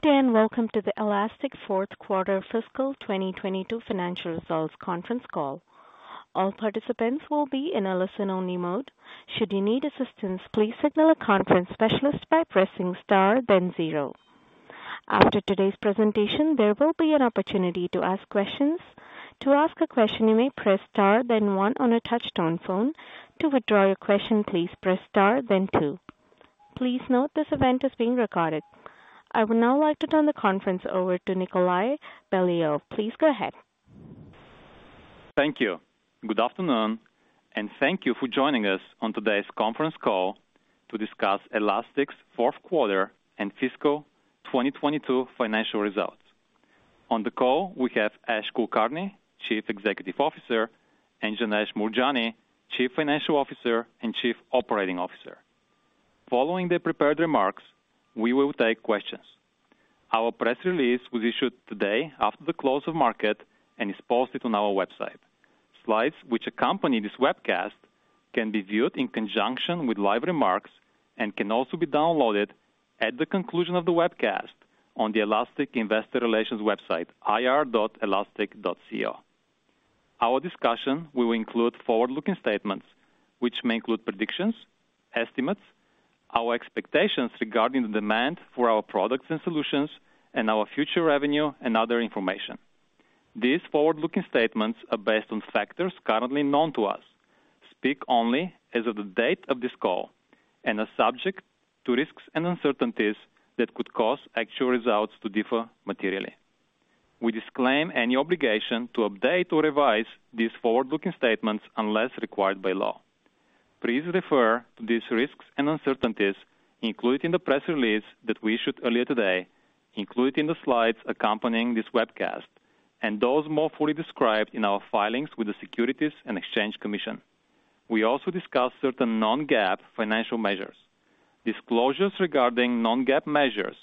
Good day, and welcome to The Elastic Fourth Quarter Fiscal 2022 Financial Results Conference Call. All participants will be in a listen-only mode. Should you need assistance, please signal a conference specialist by pressing Star, then zero. After today's presentation, there will be an opportunity to ask questions. To ask a question, you may press Star then one on a touch-tone phone. To withdraw your question, please press Star then two. Please note this event is being recorded. I would now like to turn the conference over to Nikolay Beliov. Please go ahead. Thank you. Good afternoon, and thank you for joining us on today's conference call to discuss Elastic's fourth quarter and fiscal 2022 financial results. On the call, we have Ash Kulkarni, Chief Executive Officer, and Janesh Moorjani, Chief Financial Officer and Chief Operating Officer. Following the prepared remarks, we will take questions. Our press release was issued today after the close of market and is posted on our website. Slides which accompany this webcast can be viewed in conjunction with live remarks and can also be downloaded at the conclusion of the webcast on the Elastic Investor Relations website, ir.elastic.co. Our discussion will include forward-looking statements which may include predictions, estimates, our expectations regarding the demand for our products and solutions, and our future revenue and other information. These forward-looking statements are based on factors currently known to us, speak only as of the date of this call, and are subject to risks and uncertainties that could cause actual results to differ materially. We disclaim any obligation to update or revise these forward-looking statements unless required by law. Please refer to these risks and uncertainties included in the press release that we issued earlier today, included in the slides accompanying this webcast, and those more fully described in our filings with the Securities and Exchange Commission. We also discuss certain non-GAAP financial measures. Disclosures regarding non-GAAP measures,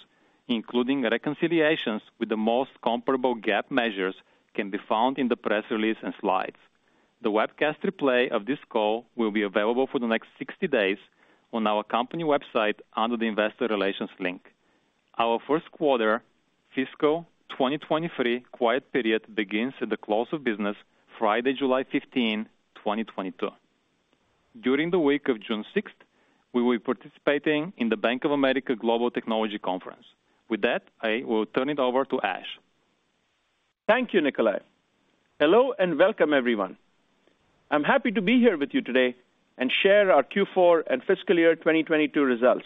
including reconciliations with the most comparable GAAP measures, can be found in the press release and slides. The webcast replay of this call will be available for the next 60 days on our company website under the Investor Relations link. Our first quarter fiscal 2023 quiet period begins at the close of business Friday, July 15, 2022. During the week of June 6th, we will be participating in the Bank of America Global Technology Conference. With that, I will turn it over to Ash. Thank you, Nikolay. Hello, and welcome, everyone. I'm happy to be here with you today and share our Q4 and fiscal year 2022 results.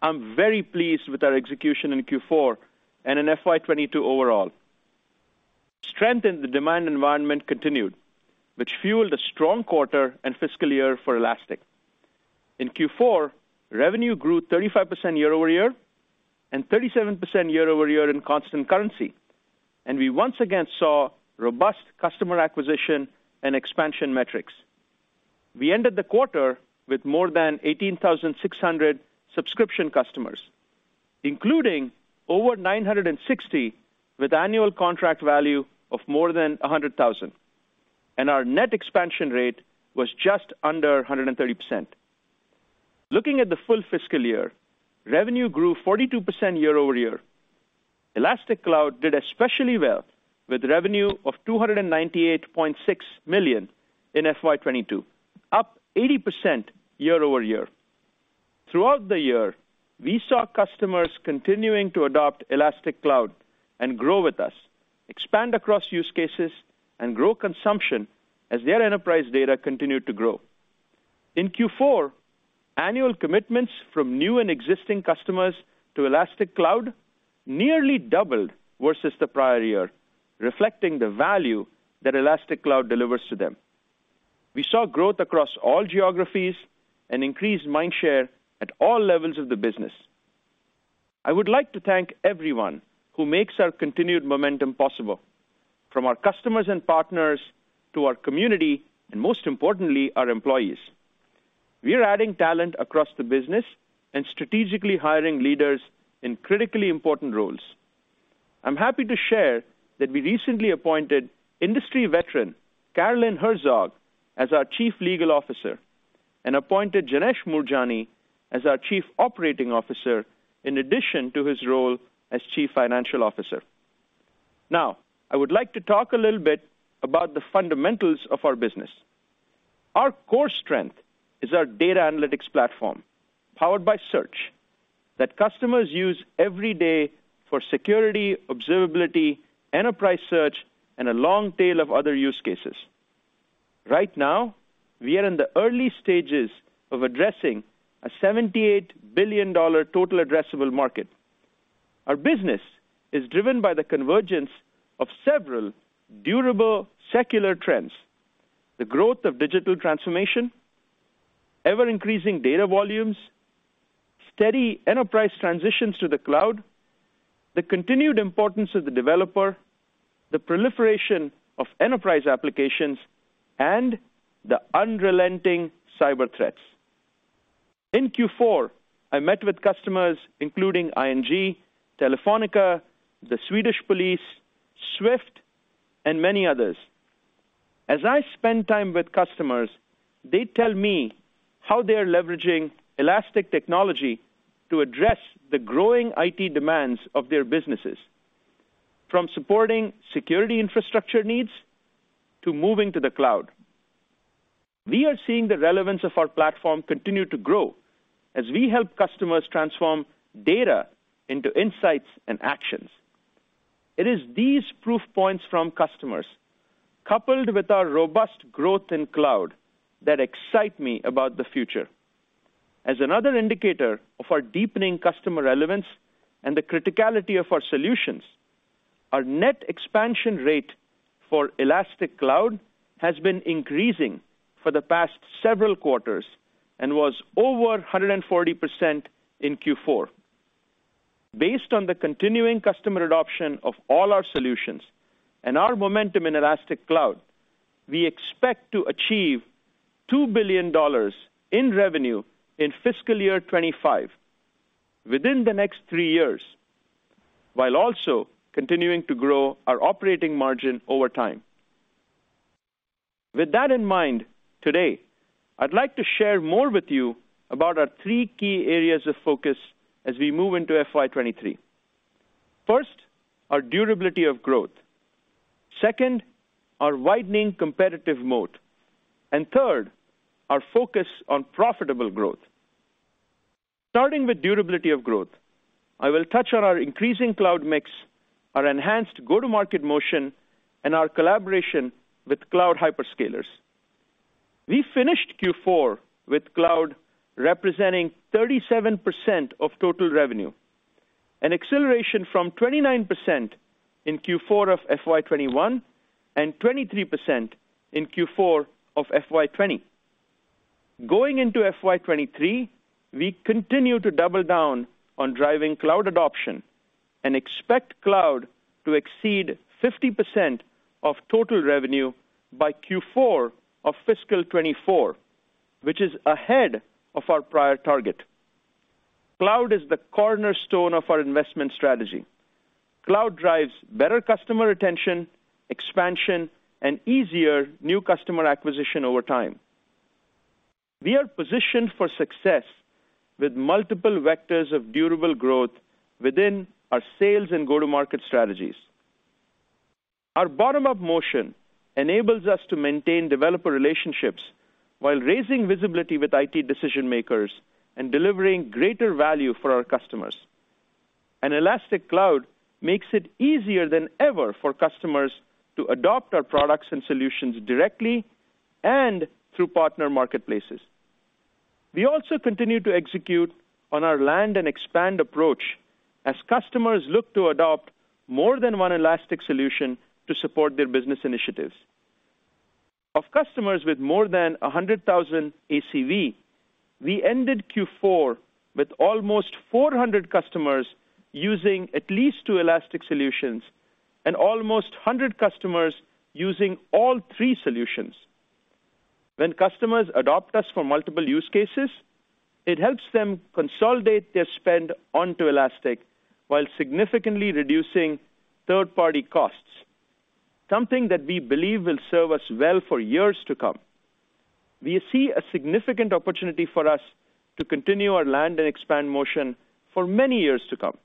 I'm very pleased with our execution in Q4 and in FY 2022 overall. Strength in the demand environment continued, which fueled a strong quarter and fiscal year for Elastic. In Q4, revenue grew 35% year-over-year and 37% year-over-year in constant currency, and we once again saw robust customer acquisition and expansion metrics. We ended the quarter with more than 18,600 subscription customers, including over 960 with annual contract value of more than $100,000, and our Net Expansion Rate was just under 130%. Looking at the full fiscal year, revenue grew 42% year-over-year. Elastic Cloud did especially well with revenue of $298.6 million in FY 2022, up 80% year-over-year. Throughout the year, we saw customers continuing to adopt Elastic Cloud and grow with us, expand across use cases, and grow consumption as their enterprise data continued to grow. In Q4, annual commitments from new and existing customers to Elastic Cloud nearly doubled versus the prior year, reflecting the value that Elastic Cloud delivers to them. We saw growth across all geographies and increased mindshare at all levels of the business. I would like to thank everyone who makes our continued momentum possible, from our customers and partners to our community, and most importantly, our employees. We are adding talent across the business and strategically hiring leaders in critically important roles. I'm happy to share that we recently appointed industry veteran Carolyn Herzog as our Chief Legal Officer and appointed Janesh Moorjani as our Chief Operating Officer in addition to his role as Chief Financial Officer. Now, I would like to talk a little bit about the fundamentals of our business. Our core strength is our data analytics platform, powered by search that customers use every day for security, observability, enterprise search, and a long tail of other use cases. Right now, we are in the early stages of addressing a $78 billion total addressable market. Our business is driven by the convergence of several durable secular trends, the growth of digital transformation, ever-increasing data volumes, steady enterprise transitions to the cloud, the continued importance of the developer, the proliferation of enterprise applications, and the unrelenting cyber threats. In Q4, I met with customers including ING, Telefónica, the Swedish Police, SWIFT, and many others. As I spend time with customers, they tell me how they are leveraging Elastic technology to address the growing IT demands of their businesses, from supporting security infrastructure needs to moving to the cloud. We are seeing the relevance of our platform continue to grow as we help customers transform data into insights and actions. It is these proof points from customers, coupled with our robust growth in cloud, that excite me about the future. As another indicator of our deepening customer relevance and the criticality of our solutions, our Net Expansion Rate for Elastic Cloud has been increasing for the past several quarters and was over 140% in Q4. Based on the continuing customer adoption of all our solutions and our momentum in Elastic Cloud, we expect to achieve $2 billion in revenue in fiscal year 2025 within the next three years, while also continuing to grow our operating margin over time. With that in mind, today, I'd like to share more with you about our three key areas of focus as we move into FY 2023. First, our durability of growth. Second, our widening competitive moat. Third, our focus on profitable growth. Starting with durability of growth, I will touch on our increasing cloud mix, our enhanced go-to-market motion, and our collaboration with cloud hyperscalers. We finished Q4 with cloud representing 37% of total revenue, an acceleration from 29% in Q4 of FY 2021 and 23% in Q4 of FY 2020. Going into FY 2023, we continue to double down on driving cloud adoption and expect cloud to exceed 50% of total revenue by Q4 of fiscal 2024, which is ahead of our prior target. Cloud is the cornerstone of our investment strategy. Cloud drives better customer retention, expansion, and easier new customer acquisition over time. We are positioned for success with multiple vectors of durable growth within our sales and go-to-market strategies. Our bottom-up motion enables us to maintain developer relationships while raising visibility with IT decision-makers and delivering greater value for our customers. Elastic Cloud makes it easier than ever for customers to adopt our products and solutions directly and through partner marketplaces. We also continue to execute on our land and expand approach as customers look to adopt more than one Elastic solution to support their business initiatives. Of customers with more than 100,000 ACV, we ended Q4 with almost 400 customers using at least two Elastic solutions and almost 100 customers using all three solutions. When customers adopt us for multiple use cases, it helps them consolidate their spend onto Elastic while significantly reducing third-party costs, something that we believe will serve us well for years to come. We see a significant opportunity for us to continue our land and expand motion for many years to come.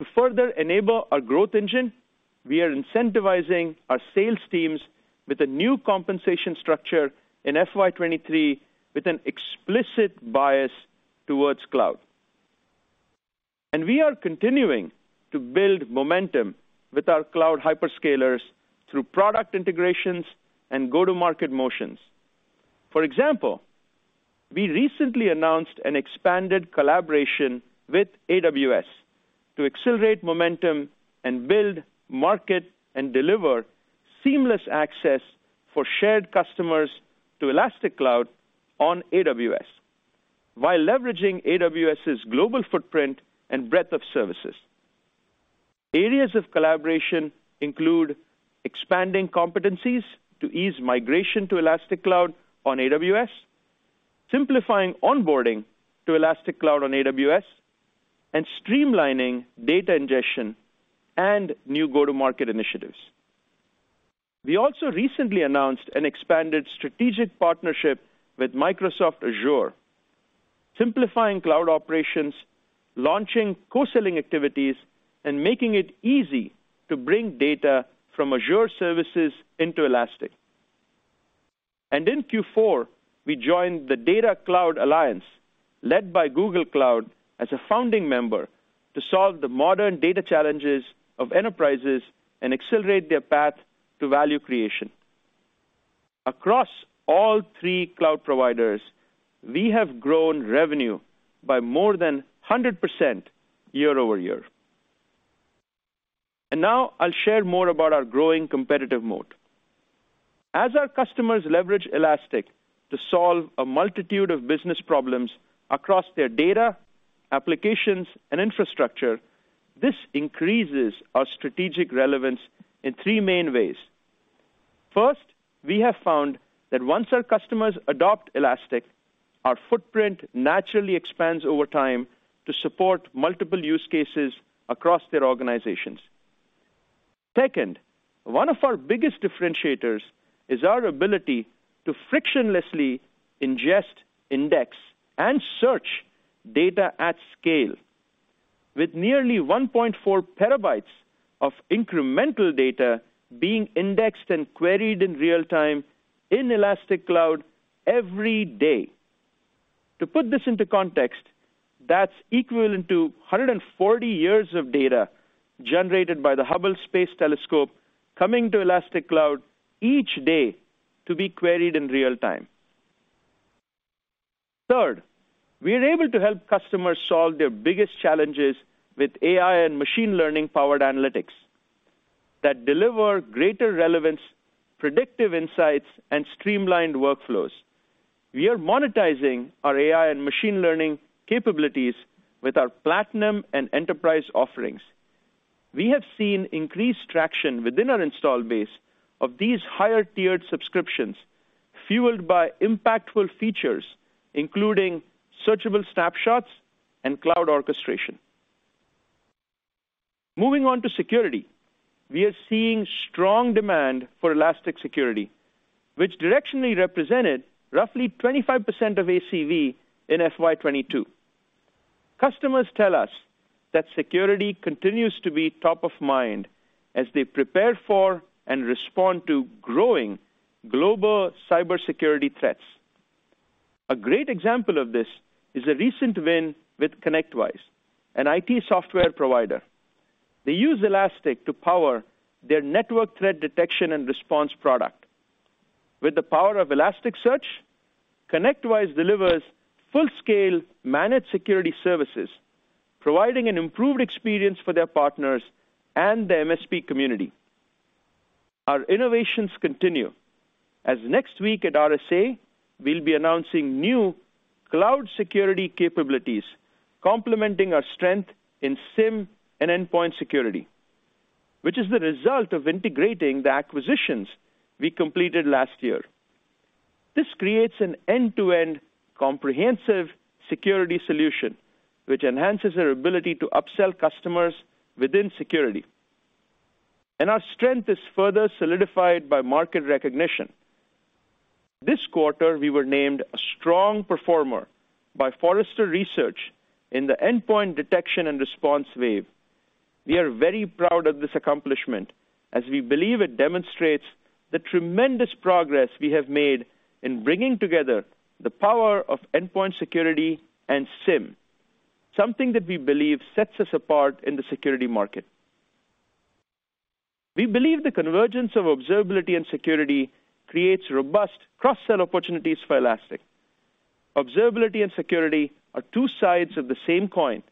To further enable our growth engine, we are incentivizing our sales teams with a new compensation structure in FY 2023 with an explicit bias towards cloud. We are continuing to build momentum with our cloud hyperscalers through product integrations and go-to-market motions. For example, we recently announced an expanded collaboration with AWS to accelerate momentum and build, market, and deliver seamless access for shared customers to Elastic Cloud on AWS while leveraging AWS's global footprint and breadth of services. Areas of collaboration include expanding competencies to ease migration to Elastic Cloud on AWS, simplifying onboarding to Elastic Cloud on AWS, and streamlining data ingestion and new go-to-market initiatives. We also recently announced an expanded strategic partnership with Microsoft Azure, simplifying cloud operations, launching co-selling activities, and making it easy to bring data from Azure services into Elastic. In Q4, we joined the Data Cloud Alliance, led by Google Cloud, as a founding member to solve the modern data challenges of enterprises and accelerate their path to value creation. Across all three cloud providers, we have grown revenue by more than 100% year-over-year. Now I'll share more about our growing competitive moat. As our customers leverage Elastic to solve a multitude of business problems across their data, applications, and infrastructure, this increases our strategic relevance in three main ways. First, we have found that once our customers adopt Elastic, our footprint naturally expands over time to support multiple use cases across their organizations. Second, one of our biggest differentiators is our ability to frictionlessly ingest, index, and search data at scale with nearly 1.4 terabytes of incremental data being indexed and queried in real-time in Elastic Cloud every day. To put this into context, that's equivalent to 140 years of data generated by the Hubble Space Telescope coming to Elastic Cloud each day to be queried in real-time. Third, we are able to help customers solve their biggest challenges with AI and machine learning-powered analytics that deliver greater relevance, predictive insights, and streamlined workflows. We are monetizing our AI and machine learning capabilities with our platinum and enterprise offerings. We have seen increased traction within our install base of these higher-tiered subscriptions, fueled by impactful features, including searchable snapshots and cloud orchestration. Moving on to security, we are seeing strong demand for Elastic Security, which directionally represented roughly 25% of ACV in FY 2022. Customers tell us that security continues to be top of mind as they prepare for and respond to growing global cybersecurity threats. A great example of this is a recent win with ConnectWise, an IT software provider. They use Elastic to power their network threat detection and response product. With the power of Elasticsearch, ConnectWise delivers full-scale managed security services, providing an improved experience for their partners and the MSP community. Our innovations continue, as next week at RSA, we'll be announcing new cloud security capabilities, complementing our strength in SIEM and endpoint security, which is the result of integrating the acquisitions we completed last year. This creates an end-to-end comprehensive security solution, which enhances our ability to upsell customers within security. Our strength is further solidified by market recognition. This quarter, we were named a strong performer by Forrester in the Endpoint Detection and Response Wave. We are very proud of this accomplishment, as we believe it demonstrates the tremendous progress we have made in bringing together the power of endpoint security and SIEM, something that we believe sets us apart in the security market. We believe the convergence of observability and security creates robust cross-sell opportunities for Elastic. Observability and security are two sides of the same coin,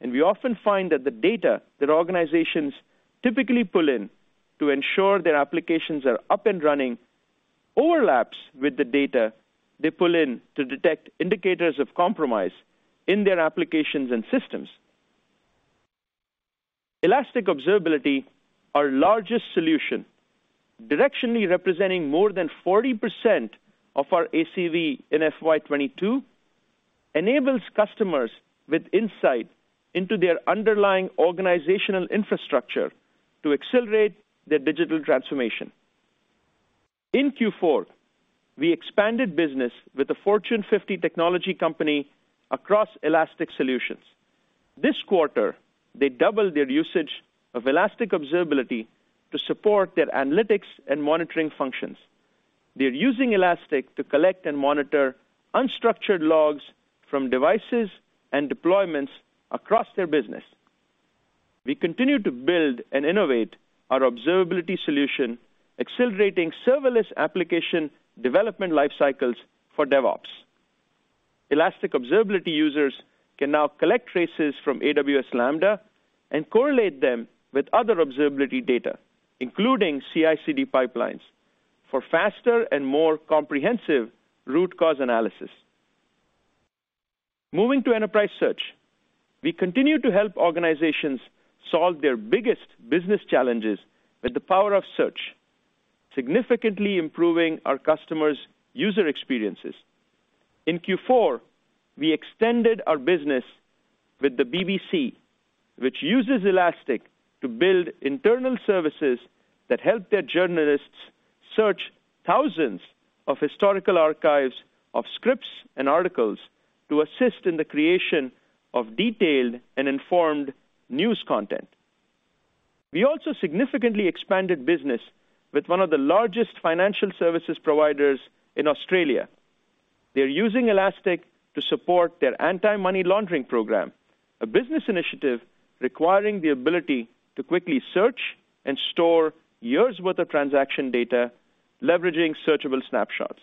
and we often find that the data that organizations typically pull in to ensure their applications are up and running overlaps with the data they pull in to detect indicators of compromise in their applications and systems. Elastic Observability, our largest solution, directionally representing more than 40% of our ACV in FY 2022, enables customers with insight into their underlying organizational infrastructure to accelerate their digital transformation. In Q4, we expanded business with a Fortune 50 technology company across Elastic solutions. This quarter, they doubled their usage of Elastic Observability to support their analytics and monitoring functions. They're using Elastic to collect and monitor unstructured logs from devices and deployments across their business. We continue to build and innovate our observability solution, accelerating serverless application development life cycles for DevOps. Elastic Observability users can now collect traces from AWS Lambda and correlate them with other observability data, including CI/CD pipelines, for faster and more comprehensive root cause analysis. Moving to enterprise search, we continue to help organizations solve their biggest business challenges with the power of search, significantly improving our customers' user experiences. In Q4, we extended our business with the BBC, which uses Elastic to build internal services that help their journalists search thousands of historical archives of scripts and articles to assist in the creation of detailed and informed news content. We also significantly expanded business with one of the largest financial services providers in Australia. They're using Elastic to support their anti-money laundering program, a business initiative requiring the ability to quickly search and store years' worth of transaction data, leveraging searchable snapshots.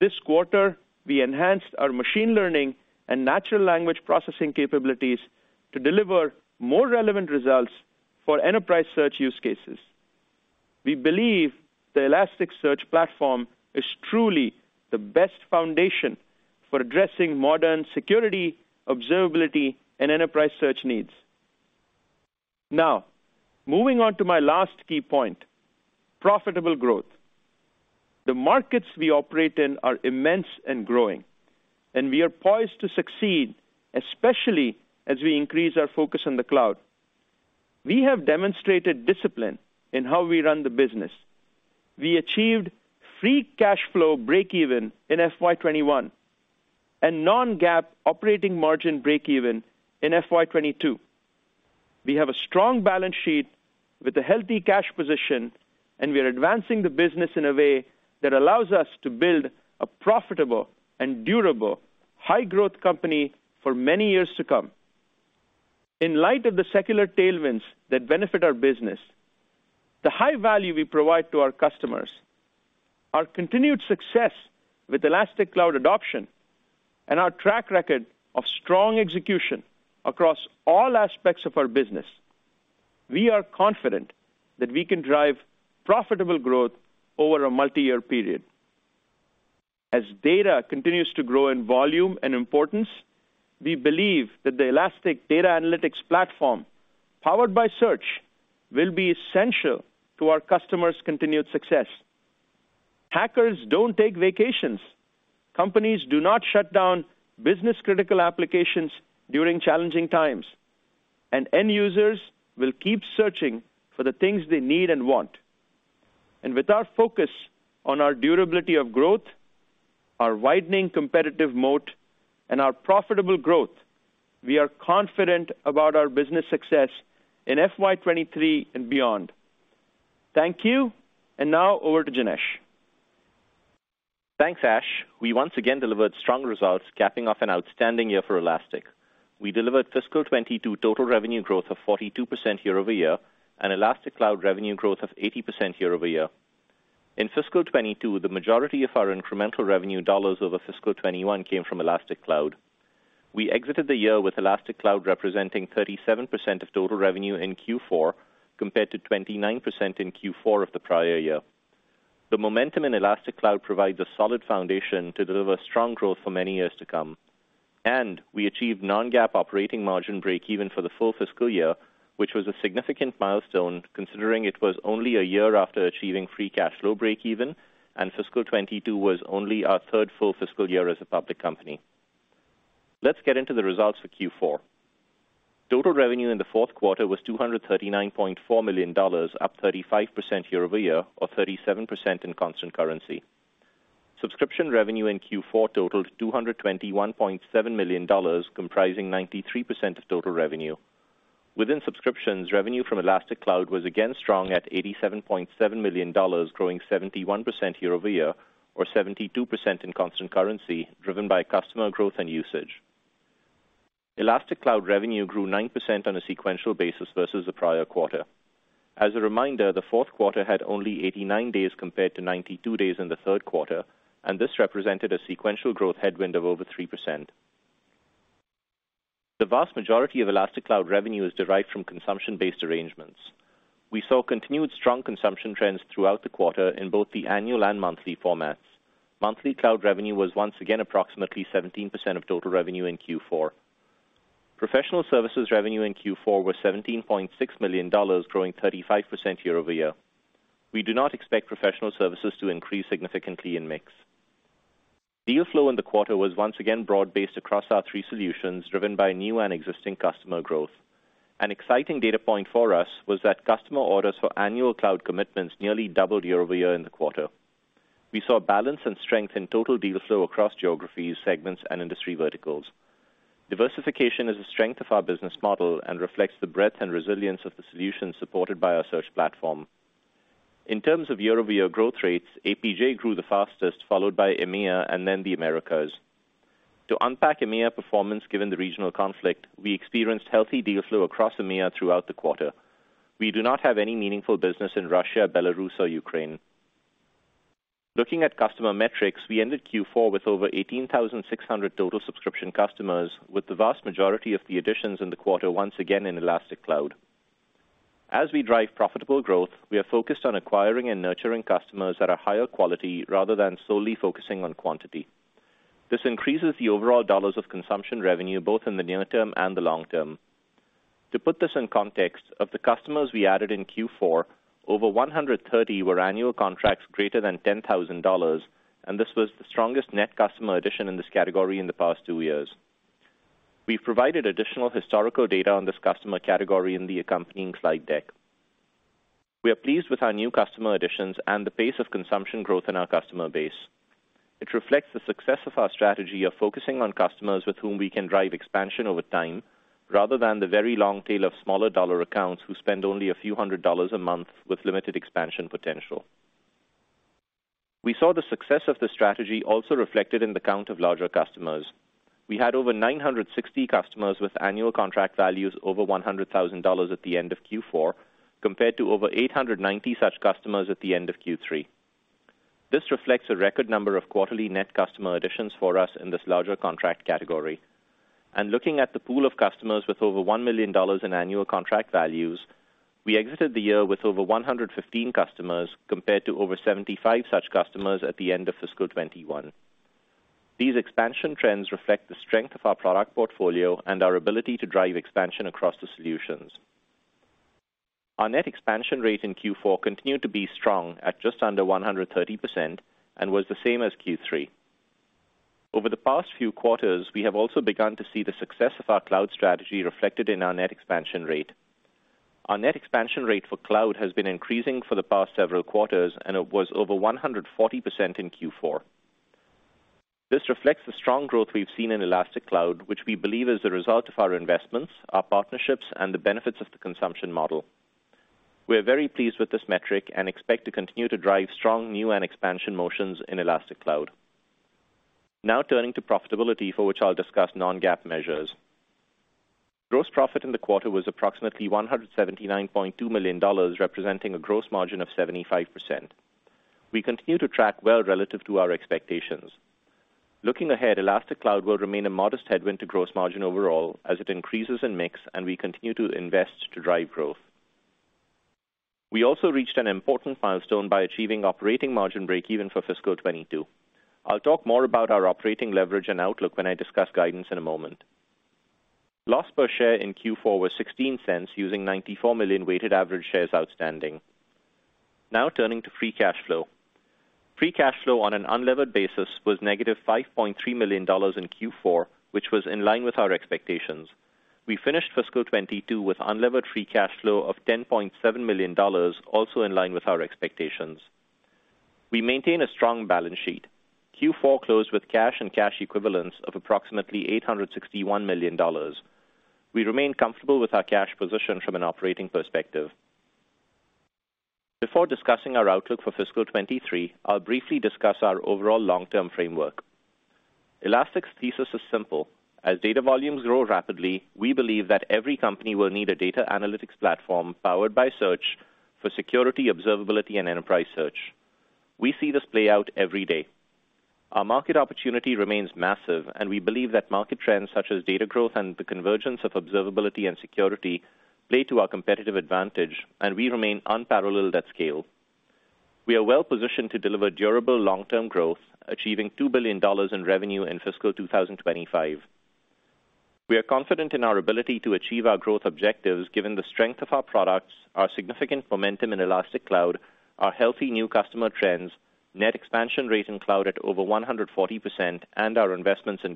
This quarter, we enhanced our machine learning and natural language processing capabilities to deliver more relevant results for enterprise search use cases. We believe the Elasticsearch platform is truly the best foundation for addressing modern security, observability, and enterprise search needs. Now, moving on to my last key point, profitable growth. The markets we operate in are immense and growing, and we are poised to succeed, especially as we increase our focus on the cloud. We have demonstrated discipline in how we run the business. We achieved free cash flow breakeven in FY21 and non-GAAP operating margin breakeven in FY22. We have a strong balance sheet with a healthy cash position, and we are advancing the business in a way that allows us to build a profitable and durable high-growth company for many years to come. In light of the secular tailwinds that benefit our business, the high value we provide to our customers, our continued success with Elastic Cloud adoption, and our track record of strong execution across all aspects of our business, we are confident that we can drive profitable growth over a multi-year period. As data continues to grow in volume and importance, we believe that the Elastic data analytics platform, powered by search, will be essential to our customers' continued success. Hackers don't take vacations. Companies do not shut down business-critical applications during challenging times, and end users will keep searching for the things they need and want. With our focus on our durability of growth, our widening competitive moat, and our profitable growth, we are confident about our business success in FY23 and beyond. Thank you. Now over to Janesh. Thanks, Ash. We once again delivered strong results, capping off an outstanding year for Elastic. We delivered fiscal 2022 total revenue growth of 42% year-over-year, and Elastic Cloud revenue growth of 80% year-over-year. In fiscal 2022, the majority of our incremental revenue dollars over fiscal 2021 came from Elastic Cloud. We exited the year with Elastic Cloud representing 37% of total revenue in Q4, compared to 29% in Q4 of the prior year. The momentum in Elastic Cloud provides a solid foundation to deliver strong growth for many years to come. We achieved non-GAAP operating margin breakeven for the full fiscal year, which was a significant milestone considering it was only a year after achieving free cash flow breakeven, and fiscal 2022 was only our third full fiscal year as a public company. Let's get into the results for Q4. Total revenue in the fourth quarter was $239.4 million, up 35% year-over-year or 37% in constant currency. Subscription revenue in Q4 totaled $221.7 million, comprising 93% of total revenue. Within subscriptions, revenue from Elastic Cloud was again strong at $87.7 million, growing 71% year-over-year or 72% in constant currency, driven by customer growth and usage. Elastic Cloud revenue grew 9% on a sequential basis versus the prior quarter. As a reminder, the fourth quarter had only 89 days compared to 92 days in the third quarter, and this represented a sequential growth headwind of over 3%. The vast majority of Elastic Cloud revenue is derived from consumption-based arrangements. We saw continued strong consumption trends throughout the quarter in both the annual and monthly formats. Monthly cloud revenue was once again approximately 17% of total revenue in Q4. Professional services revenue in Q4 were $17.6 million, growing 35% year-over-year. We do not expect professional services to increase significantly in mix. Deal flow in the quarter was once again broad-based across our three solutions, driven by new and existing customer growth. An exciting data point for us was that customer orders for annual cloud commitments nearly doubled year-over-year in the quarter. We saw balance and strength in total deal flow across geographies, segments, and industry verticals. Diversification is a strength of our business model and reflects the breadth and resilience of the solutions supported by our search platform. In terms of year-over-year growth rates, APJ grew the fastest, followed by EMEA and then the Americas. To unpack EMEA performance given the regional conflict, we experienced healthy deal flow across EMEA throughout the quarter. We do not have any meaningful business in Russia, Belarus, or Ukraine. Looking at customer metrics, we ended Q4 with over 18,600 total subscription customers, with the vast majority of the additions in the quarter once again in Elastic Cloud. As we drive profitable growth, we are focused on acquiring and nurturing customers that are higher quality rather than solely focusing on quantity. This increases the overall dollars of consumption revenue both in the near term and the long term. To put this in context, of the customers we added in Q4, over 130 were annual contracts greater than $10,000, and this was the strongest net customer addition in this category in the past two years. We've provided additional historical data on this customer category in the accompanying slide deck. We are pleased with our new customer additions and the pace of consumption growth in our customer base. It reflects the success of our strategy of focusing on customers with whom we can drive expansion over time, rather than the very long tail of smaller dollar accounts who spend only a few hundred dollars a month with limited expansion potential. We saw the success of the strategy also reflected in the count of larger customers. We had over 960 customers with annual contract values over $100,000 at the end of Q4, compared to over 890 such customers at the end of Q3. This reflects a record number of quarterly net customer additions for us in this larger contract category. Looking at the pool of customers with over $1 million in annual contract values, we exited the year with over 115 customers compared to over 75 such customers at the end of fiscal 2021. These expansion trends reflect the strength of our product portfolio and our ability to drive expansion across the solutions. Our Net Expansion Rate in Q4 continued to be strong at just under 130% and was the same as Q3. Over the past few quarters, we have also begun to see the success of our cloud strategy reflected in our Net Expansion Rate. Our Net Expansion Rate for cloud has been increasing for the past several quarters, and it was over 140% in Q4. This reflects the strong growth we've seen in Elastic Cloud, which we believe is a result of our investments, our partnerships, and the benefits of the consumption model. We are very pleased with this metric and expect to continue to drive strong new and expansion motions in Elastic Cloud. Now turning to profitability, for which I'll discuss non-GAAP measures. Gross profit in the quarter was approximately $179.2 million, representing a gross margin of 75%. We continue to track well relative to our expectations. Looking ahead, Elastic Cloud will remain a modest headwind to gross margin overall as it increases in mix and we continue to invest to drive growth. We also reached an important milestone by achieving operating margin breakeven for fiscal 2022. I'll talk more about our operating leverage and outlook when I discuss guidance in a moment. Loss per share in Q4 was -$0.16, using 94 million weighted average shares outstanding. Now turning to free cash flow. Free cash flow on an unlevered basis was -$5.3 million in Q4, which was in line with our expectations. We finished fiscal 2022 with unlevered free cash flow of $10.7 million, also in line with our expectations. We maintain a strong balance sheet. Q4 closed with cash and cash equivalents of approximately $861 million. We remain comfortable with our cash position from an operating perspective. Before discussing our outlook for fiscal 2023, I'll briefly discuss our overall long-term framework. Elastic's thesis is simple: As data volumes grow rapidly, we believe that every company will need a data analytics platform powered by search for security, observability, and enterprise search. We see this play out every day. Our market opportunity remains massive, and we believe that market trends such as data growth and the convergence of observability and security play to our competitive advantage, and we remain unparalleled at scale. We are well positioned to deliver durable long-term growth, achieving $2 billion in revenue in fiscal 2025. We are confident in our ability to achieve our growth objectives, given the strength of our products, our significant momentum in Elastic Cloud, our healthy new customer trends, Net Expansion Rate in cloud at over 140%, and our investments in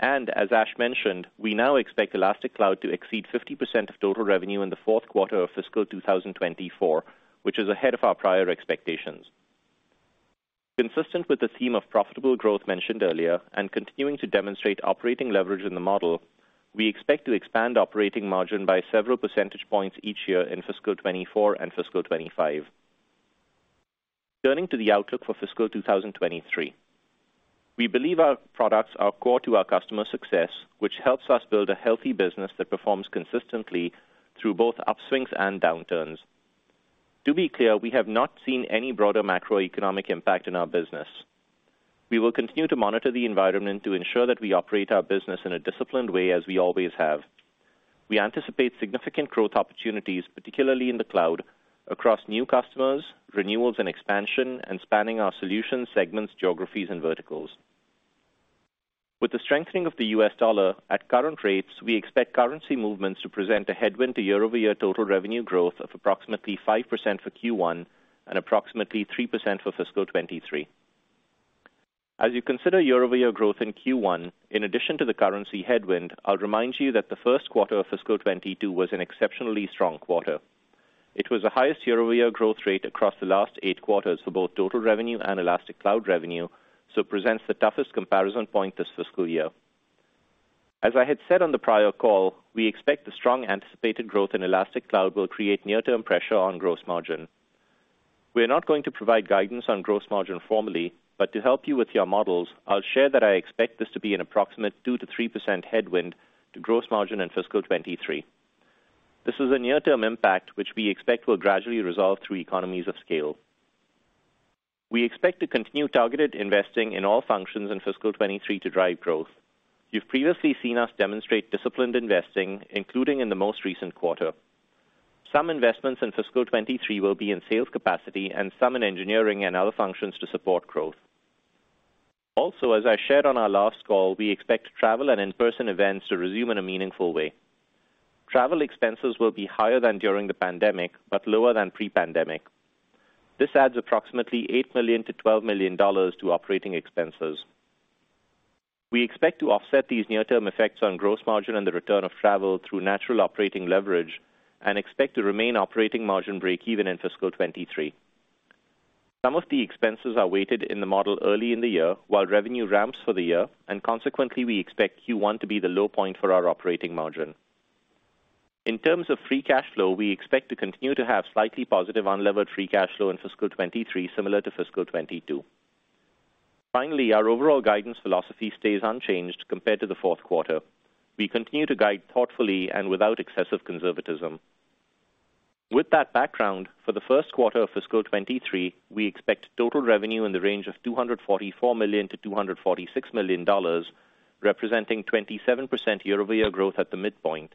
go-to-market. As Ash mentioned, we now expect Elastic Cloud to exceed 50% of total revenue in the fourth quarter of fiscal 2024, which is ahead of our prior expectations. Consistent with the theme of profitable growth mentioned earlier and continuing to demonstrate operating leverage in the model, we expect to expand operating margin by several percentage points each year in fiscal 2024 and fiscal 2025. Turning to the outlook for fiscal 2023. We believe our products are core to our customer success, which helps us build a healthy business that performs consistently through both upswings and downturns. To be clear, we have not seen any broader macroeconomic impact in our business. We will continue to monitor the environment to ensure that we operate our business in a disciplined way as we always have. We anticipate significant growth opportunities, particularly in the cloud, across new customers, renewals and expansion, and spanning our solutions, segments, geographies, and verticals. With the strengthening of the US dollar at current rates, we expect currency movements to present a headwind to year-over-year total revenue growth of approximately 5% for Q1 and approximately 3% for fiscal 2023. As you consider year-over-year growth in Q1, in addition to the currency headwind, I'll remind you that the first quarter of fiscal 2022 was an exceptionally strong quarter. It was the highest year-over-year growth rate across the last 8 quarters for both total revenue and Elastic Cloud revenue, so presents the toughest comparison point this fiscal year. As I had said on the prior call, we expect the strong anticipated growth in Elastic Cloud will create near-term pressure on gross margin. We are not going to provide guidance on gross margin formally, but to help you with your models, I'll share that I expect this to be an approximate 2%-3% headwind to gross margin in fiscal 2023. This is a near-term impact, which we expect will gradually resolve through economies of scale. We expect to continue targeted investing in all functions in fiscal 2023 to drive growth. You've previously seen us demonstrate disciplined investing, including in the most recent quarter. Some investments in fiscal 2023 will be in sales capacity and some in engineering and other functions to support growth. Also, as I shared on our last call, we expect travel and in-person events to resume in a meaningful way. Travel expenses will be higher than during the pandemic, but lower than pre-pandemic. This adds approximately $8 million-$12 million to operating expenses. We expect to offset these near-term effects on gross margin and the return of travel through natural operating leverage and expect to remain operating margin breakeven in fiscal 2023. Some of the expenses are weighted in the model early in the year, while revenue ramps for the year, and consequently, we expect Q1 to be the low point for our operating margin. In terms of free cash flow, we expect to continue to have slightly positive unlevered free cash flow in fiscal 2023, similar to fiscal 2022. Finally, our overall guidance philosophy stays unchanged compared to the fourth quarter. We continue to guide thoughtfully and without excessive conservatism. With that background, for the first quarter of fiscal 2023, we expect total revenue in the range of $244 million-$246 million, representing 27% year-over-year growth at the midpoint.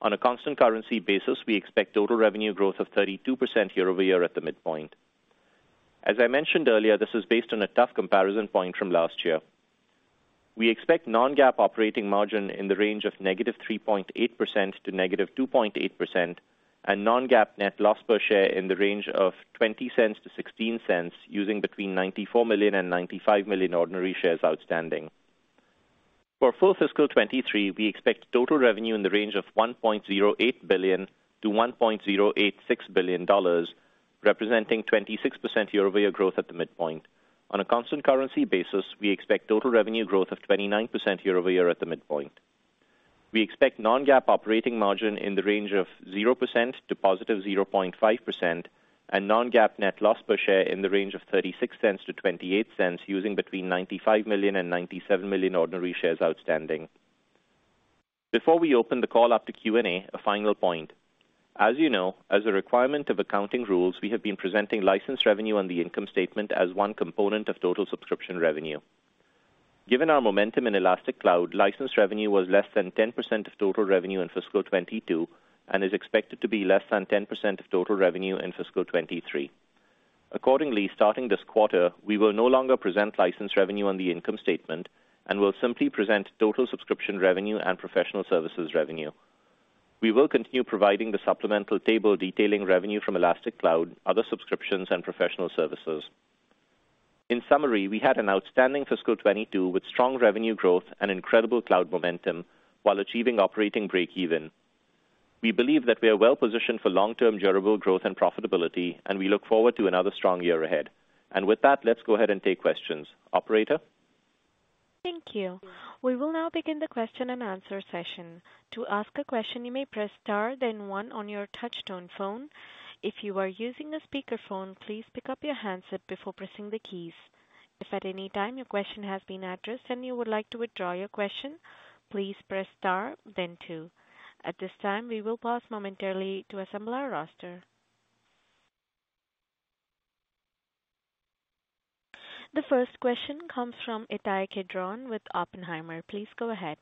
On a constant currency basis, we expect total revenue growth of 32% year-over-year at the midpoint. As I mentioned earlier, this is based on a tough comparison point from last year. We expect non-GAAP operating margin in the range of -3.8% to -2.8% and non-GAAP net loss per share in the range of $0.20-$0.16, using between 94 million and 95 million ordinary shares outstanding. For full fiscal 2023, we expect total revenue in the range of $1.08 billion-$1.086 billion, representing 26% year-over-year growth at the midpoint. On a constant currency basis, we expect total revenue growth of 29% year-over-year at the midpoint. We expect non-GAAP operating margin in the range of 0% to positive 0.5% and non-GAAP net loss per share in the range of $0.36-$0.28, using between 95 million and 97 million ordinary shares outstanding. Before we open the call up to Q&A, a final point. As you know, as a requirement of accounting rules, we have been presenting license revenue on the income statement as one component of total subscription revenue. Given our momentum in Elastic Cloud, license revenue was less than 10% of total revenue in fiscal 2022 and is expected to be less than 10% of total revenue in fiscal 2023. Accordingly, starting this quarter, we will no longer present license revenue on the income statement and will simply present total subscription revenue and professional services revenue. We will continue providing the supplemental table detailing revenue from Elastic Cloud, other subscriptions and professional services. In summary, we had an outstanding fiscal 2022 with strong revenue growth and incredible cloud momentum while achieving operating breakeven. We believe that we are well positioned for long-term durable growth and profitability, and we look forward to another strong year ahead. With that, let's go ahead and take questions. Operator? Thank you. We will now begin the question-and-answer session. To ask a question, you may press Star, then one on your touchtone phone. If you are using a speakerphone, please pick up your handset before pressing the keys. If at any time your question has been addressed and you would like to withdraw your question, please press Star then two. At this time, we will pause momentarily to assemble our roster. The first question comes from Ittai Kidron with Oppenheimer. Please go ahead.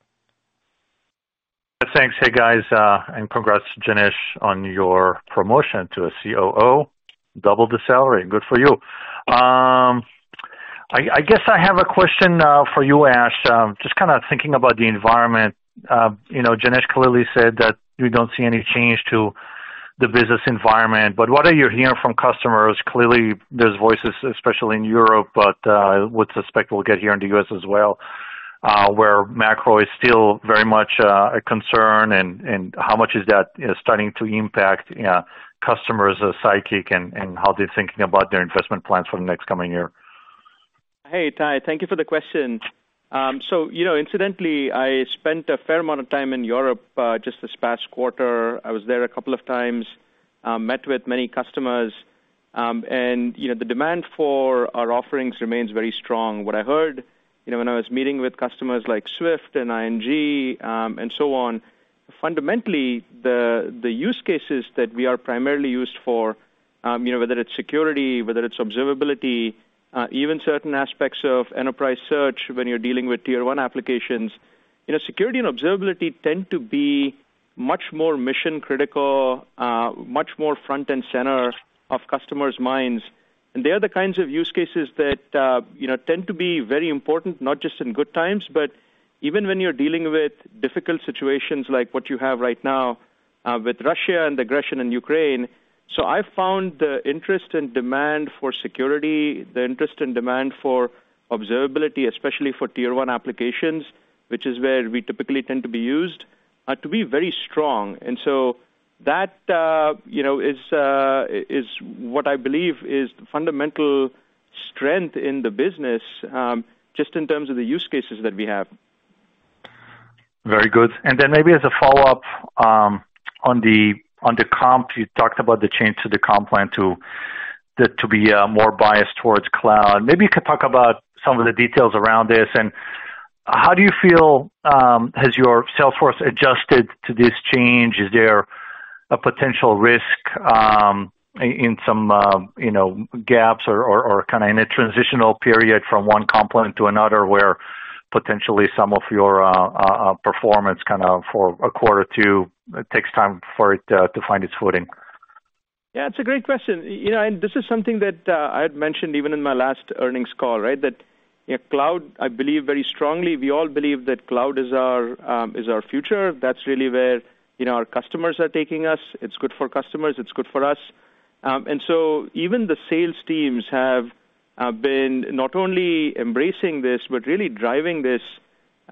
Thanks. Hey, guys, and congrats, Janesh, on your promotion to COO. Double the salary. Good for you. I guess I have a question for you, Ash. Just kinda thinking about the environment. You know, Janesh clearly said that you don't see any change to the business environment. What are you hearing from customers? Clearly, there's voices, especially in Europe, but would suspect we'll get here in the US as well, uh where macro is still very much uh a concern and how much is that, you know, starting to impact customers of Sidekick and how they're thinking about their investment plans for the next coming year. Hey, Ittai. Thank you for the question. You know, incidentally, I spent a fair amount of time in Europe, just this past quarter. I was there a couple of times, met with many customers. You know, the demand for our offerings remains very strong. What I heard, you know, when I was meeting with customers like SWIFT and ING, uhm and so on, fundamentally the use cases that we are primarily used for, you know, whether it's security, whether it's observability, even certain aspects of enterprise search when you're dealing with tier one applications. You know, security and observability tend to be much more mission critical, much more front and center of customers' minds, and they are the kinds of use cases that, you know, tend to be very important, not just in good times, but even when you're dealing with difficult situations like what you have right now, with Russia and the aggression in Ukraine. I found the interest and demand for security, the interest and demand for observability, especially for tier one applications, which is where we typically tend to be used, to be very strong. That, you know, is what I believe is fundamental strength in the business, just in terms of the use cases that we have. Very good. Maybe as a follow-up, on the comp, you talked about the change to the comp plan to be more biased towards cloud. Maybe you could talk about some of the details around this. How do you feel has your sales force adjusted to this change? Is there a potential risk in some you know gaps or kinda in a transitional period from one comp plan to another where potentially some of your performance kinda for a quarter or two takes time for it to find its footing? Yeah, it's a great question. You know, and this is something that I had mentioned even in my last earnings call, right? That, you know, cloud, I believe very strongly, we all believe that cloud is our, is our future. That's really where, you know, our customers are taking us. It's good for customers. It's good for us. And so even the sales teams have been not only embracing this, but really driving this,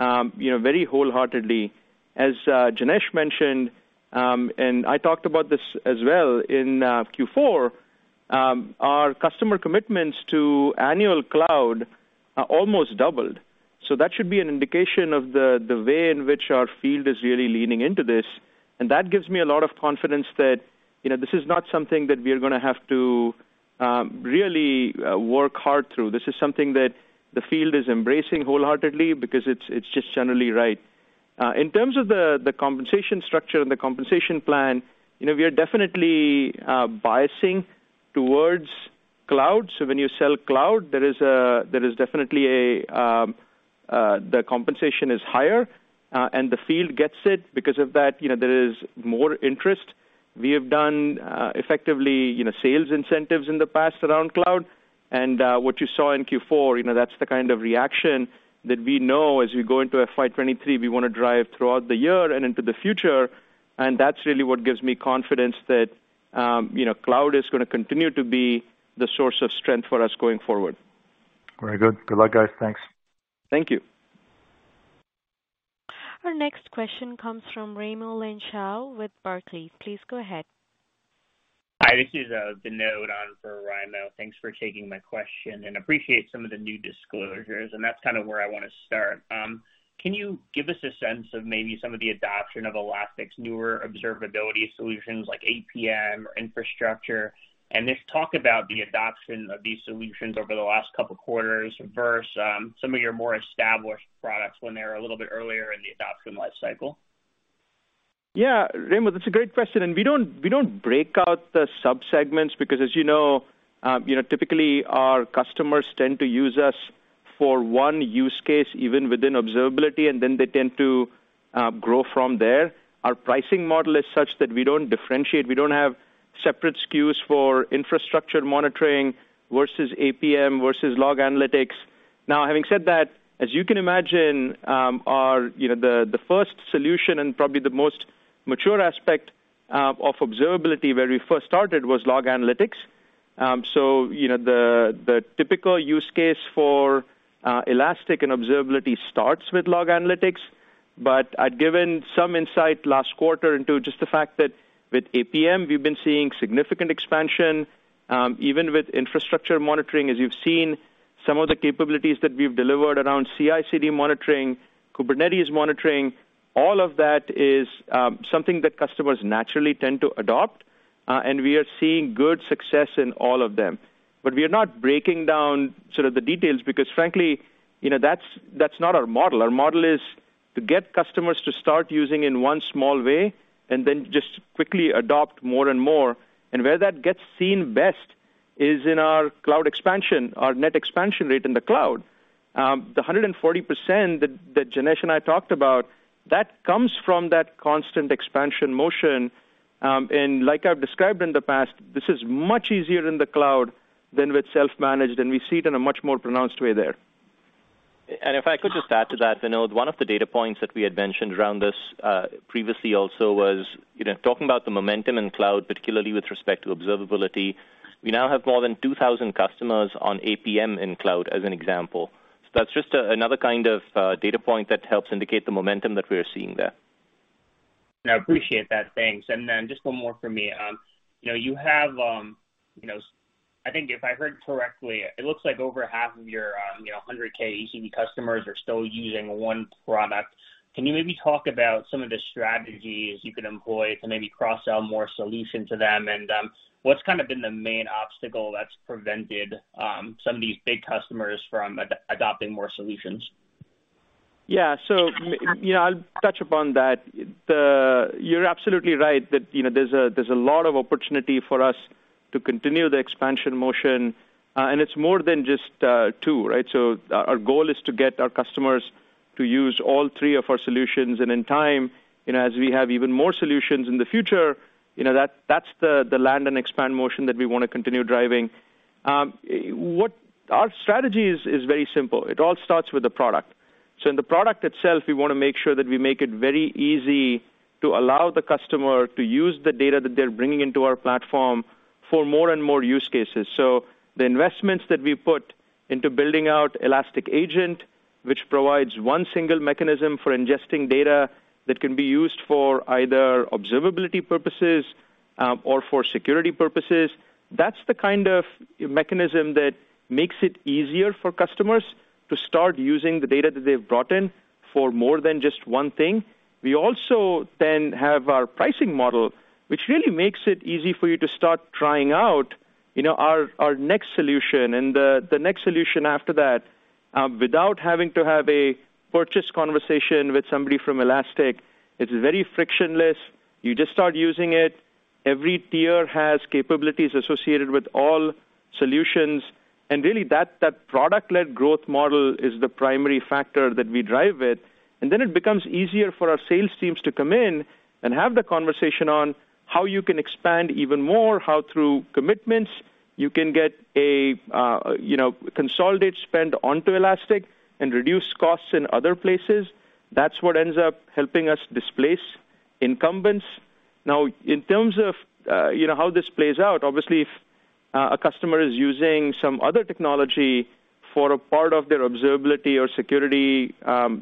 you know, very wholeheartedly. As Janesh mentioned, and I talked about this as well in Q4, our customer commitments to annual cloud are almost doubled. So that should be an indication of the way in which our field is really leaning into this. That gives me a lot of confidence that, you know, this is not something that we are gonna have to really work hard through. This is something that the field is embracing wholeheartedly because it's just generally right. In terms of the compensation structure and the compensation plan, you know, we are definitely biasing towards cloud. When you sell cloud, there is definitely a The compensation is higher, and the field gets it. Because of that, you know, there is more interest. We have done, effectively, you know, sales incentives in the past around cloud. What you saw in Q4, you know, that's the kind of reaction that we know as we go into FY 2023, we wanna drive throughout the year and into the future. That's really what gives me confidence that, you know, cloud is gonna continue to be the source of strength for us going forward. Very good. Good luck, guys. Thanks. Thank you. Our next question comes from Raimo Lenschow with Barclays. Please go ahead. Hi, this is Vinod on for Raimo. Thanks for taking my question, and appreciate some of the new disclosures, and that's kind of where I wanna start. Can you give us a sense of maybe some of the adoption of Elastic's newer observability solutions like APM or infrastructure? Just talk about the adoption of these solutions over the last couple quarters versus some of your more established products when they were a little bit earlier in the adoption life cycle. Yeah. Raimo, that's a great question. We don't break out the sub-segments because as you know, you know, typically our customers tend to use us for one use case, even within observability, and then they tend to grow from there. Our pricing model is such that we don't differentiate. We don't have separate SKUs for infrastructure monitoring versus APM versus log analytics. Now, having said that, as you can imagine. You know, the first solution and probably the most mature aspect of observability where we first started was log analytics. So, you know, the typical use case for Elastic and observability starts with log analytics. I'd given some insight last quarter into just the fact that with APM we've been seeing significant expansion, even with infrastructure monitoring, as you've seen some of the capabilities that we've delivered around CI/CD monitoring, Kubernetes monitoring. All of that is something that customers naturally tend to adopt, and we are seeing good success in all of them. We are not breaking down sort of the details because frankly, you know, that's not our model. Our model is to get customers to start using in one small way and then just quickly adopt more and more. Where that gets seen best is in our cloud expansion, our net expansion rate in the cloud. The 140% that Janesh and I talked about, that comes from that constant expansion motion. Like I've described in the past, this is much easier in the cloud than with self-managed, and we see it in a much more pronounced way there. If I could just add to that, Vinod, one of the data points that we had mentioned around this, previously also was, you know, talking about the momentum in cloud, particularly with respect to observability. We now have more than 2,000 customers on APM in cloud, as an example. That's just another kind of data point that helps indicate the momentum that we're seeing there. Yeah, I appreciate that. Thanks. Then just one more from me. You know, you have, you know. I think if I heard correctly, it looks like over half of your 100K ACV customers are still using one product. Can you maybe talk about some of the strategies you can employ to maybe cross-sell more solution to them? What's kind of been the main obstacle that's prevented some of these big customers from adopting more solutions? Yeah. You know, I'll touch upon that. You're absolutely right that, you know, there's a lot of opportunity for us to continue the expansion motion, and it's more than just two, right? so our goal is to get our customers to use all three of our solutions. In time, you know, as we have even more solutions in the future, you know, that's the land and expand motion that we wanna continue driving. Our strategy is very simple, t all starts with the product. In the product itself, we wanna make sure that we make it very easy to allow the customer to use the data that they're bringing into our platform for more and more use cases. The investments that we put into building out Elastic Agent, which provides one single mechanism for ingesting data that can be used for either observability purposes, or for security purposes, that's the kind of mechanism that makes it easier for customers to start using the data that they've brought in for more than just one thing. We also then have our pricing model, which really makes it easy for you to start trying out, you know, our next solution and the next solution after that, without having to have a purchase conversation with somebody from Elastic. It's very frictionless. You just start using it. Every tier has capabilities associated with all solutions. Really that product-led growth model is the primary factor that we drive with. It becomes easier for our sales teams to come in and have the conversation on how you can expand even more, how through commitments you can get a, you know, consolidate spend onto Elastic and reduce costs in other places. That's what ends up helping us displace incumbents. Now, in terms of, you know, how this plays out, obviously if a customer is using some other technology for a part of their observability or security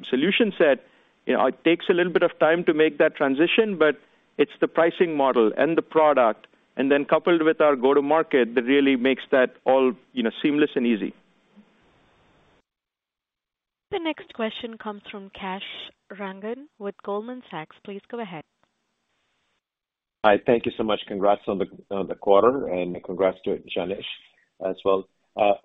solution set, you know, it takes a little bit of time to make that transition, but it's the pricing model and the product, and then coupled with our go-to-market that really makes that all, you know, seamless and easy. The next question comes from Kash Rangan with Goldman Sachs. Please go ahead. Hi, thank you so much. Congrats on the quarter, and congrats to Janesh as well.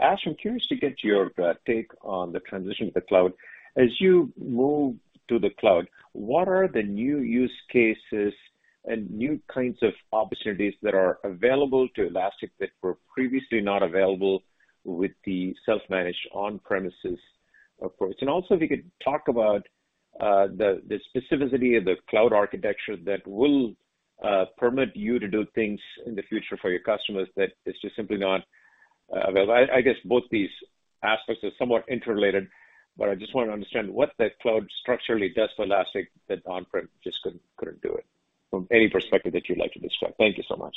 Ash, I'm curious to get your take on the transition to cloud. As you move to the cloud, what are the new use cases? New kinds of opportunities that are available to Elastic that were previously not available with the self-managed on-premises approach. Also, if you could talk about the specificity of the cloud architecture that will permit you to do things in the future for your customers that is just simply not available. I guess both these aspects are somewhat interrelated, but I just want to understand what the cloud structurally does for Elastic that on-prem just couldn't do it, from any perspective that you'd like to discuss. Thank you so much.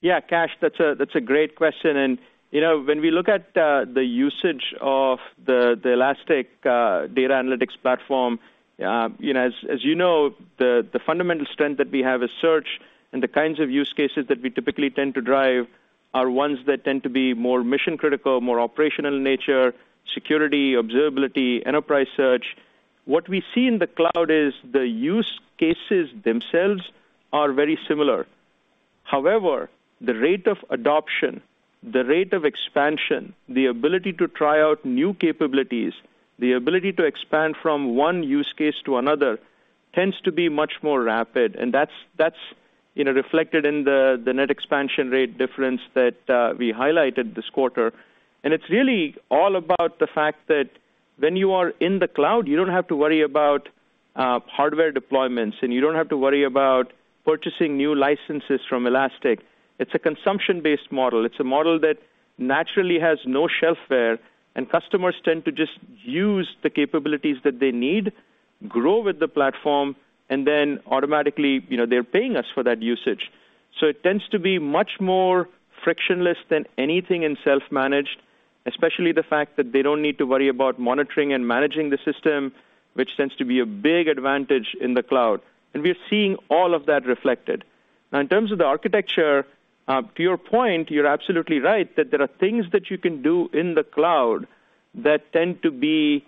Yeah, Kash, that's a great question. You know, when we look at the usage of the Elastic data analytics platform, you know, as you know, the fundamental strength that we have is search, and the kinds of use cases that we typically tend to drive are ones that tend to be more mission-critical, more operational in nature, security, observability, enterprise search. What we see in the cloud is the use cases themselves are very similar. However, the rate of adoption, the rate of expansion, the ability to try out new capabilities, the ability to expand from one use case to another tends to be much more rapid, and that's reflected in the Net Expansion Rate difference that we highlighted this quarter. It's really all about the fact that when you are in the cloud, you don't have to worry about hardware deployments, and you don't have to worry about purchasing new licenses from Elastic. It's a consumption-based model. It's a model that naturally has no shelfware, and customers tend to just use the capabilities that they need, grow with the platform, and then automatically, you know, they're paying us for that usage. It tends to be much more frictionless than anything in self-managed, especially the fact that they don't need to worry about monitoring and managing the system, which tends to be a big advantage in the cloud. We're seeing all of that reflected. Now in terms of the architecture, to your point, you're absolutely right that there are things that you can do in the cloud that tend to be,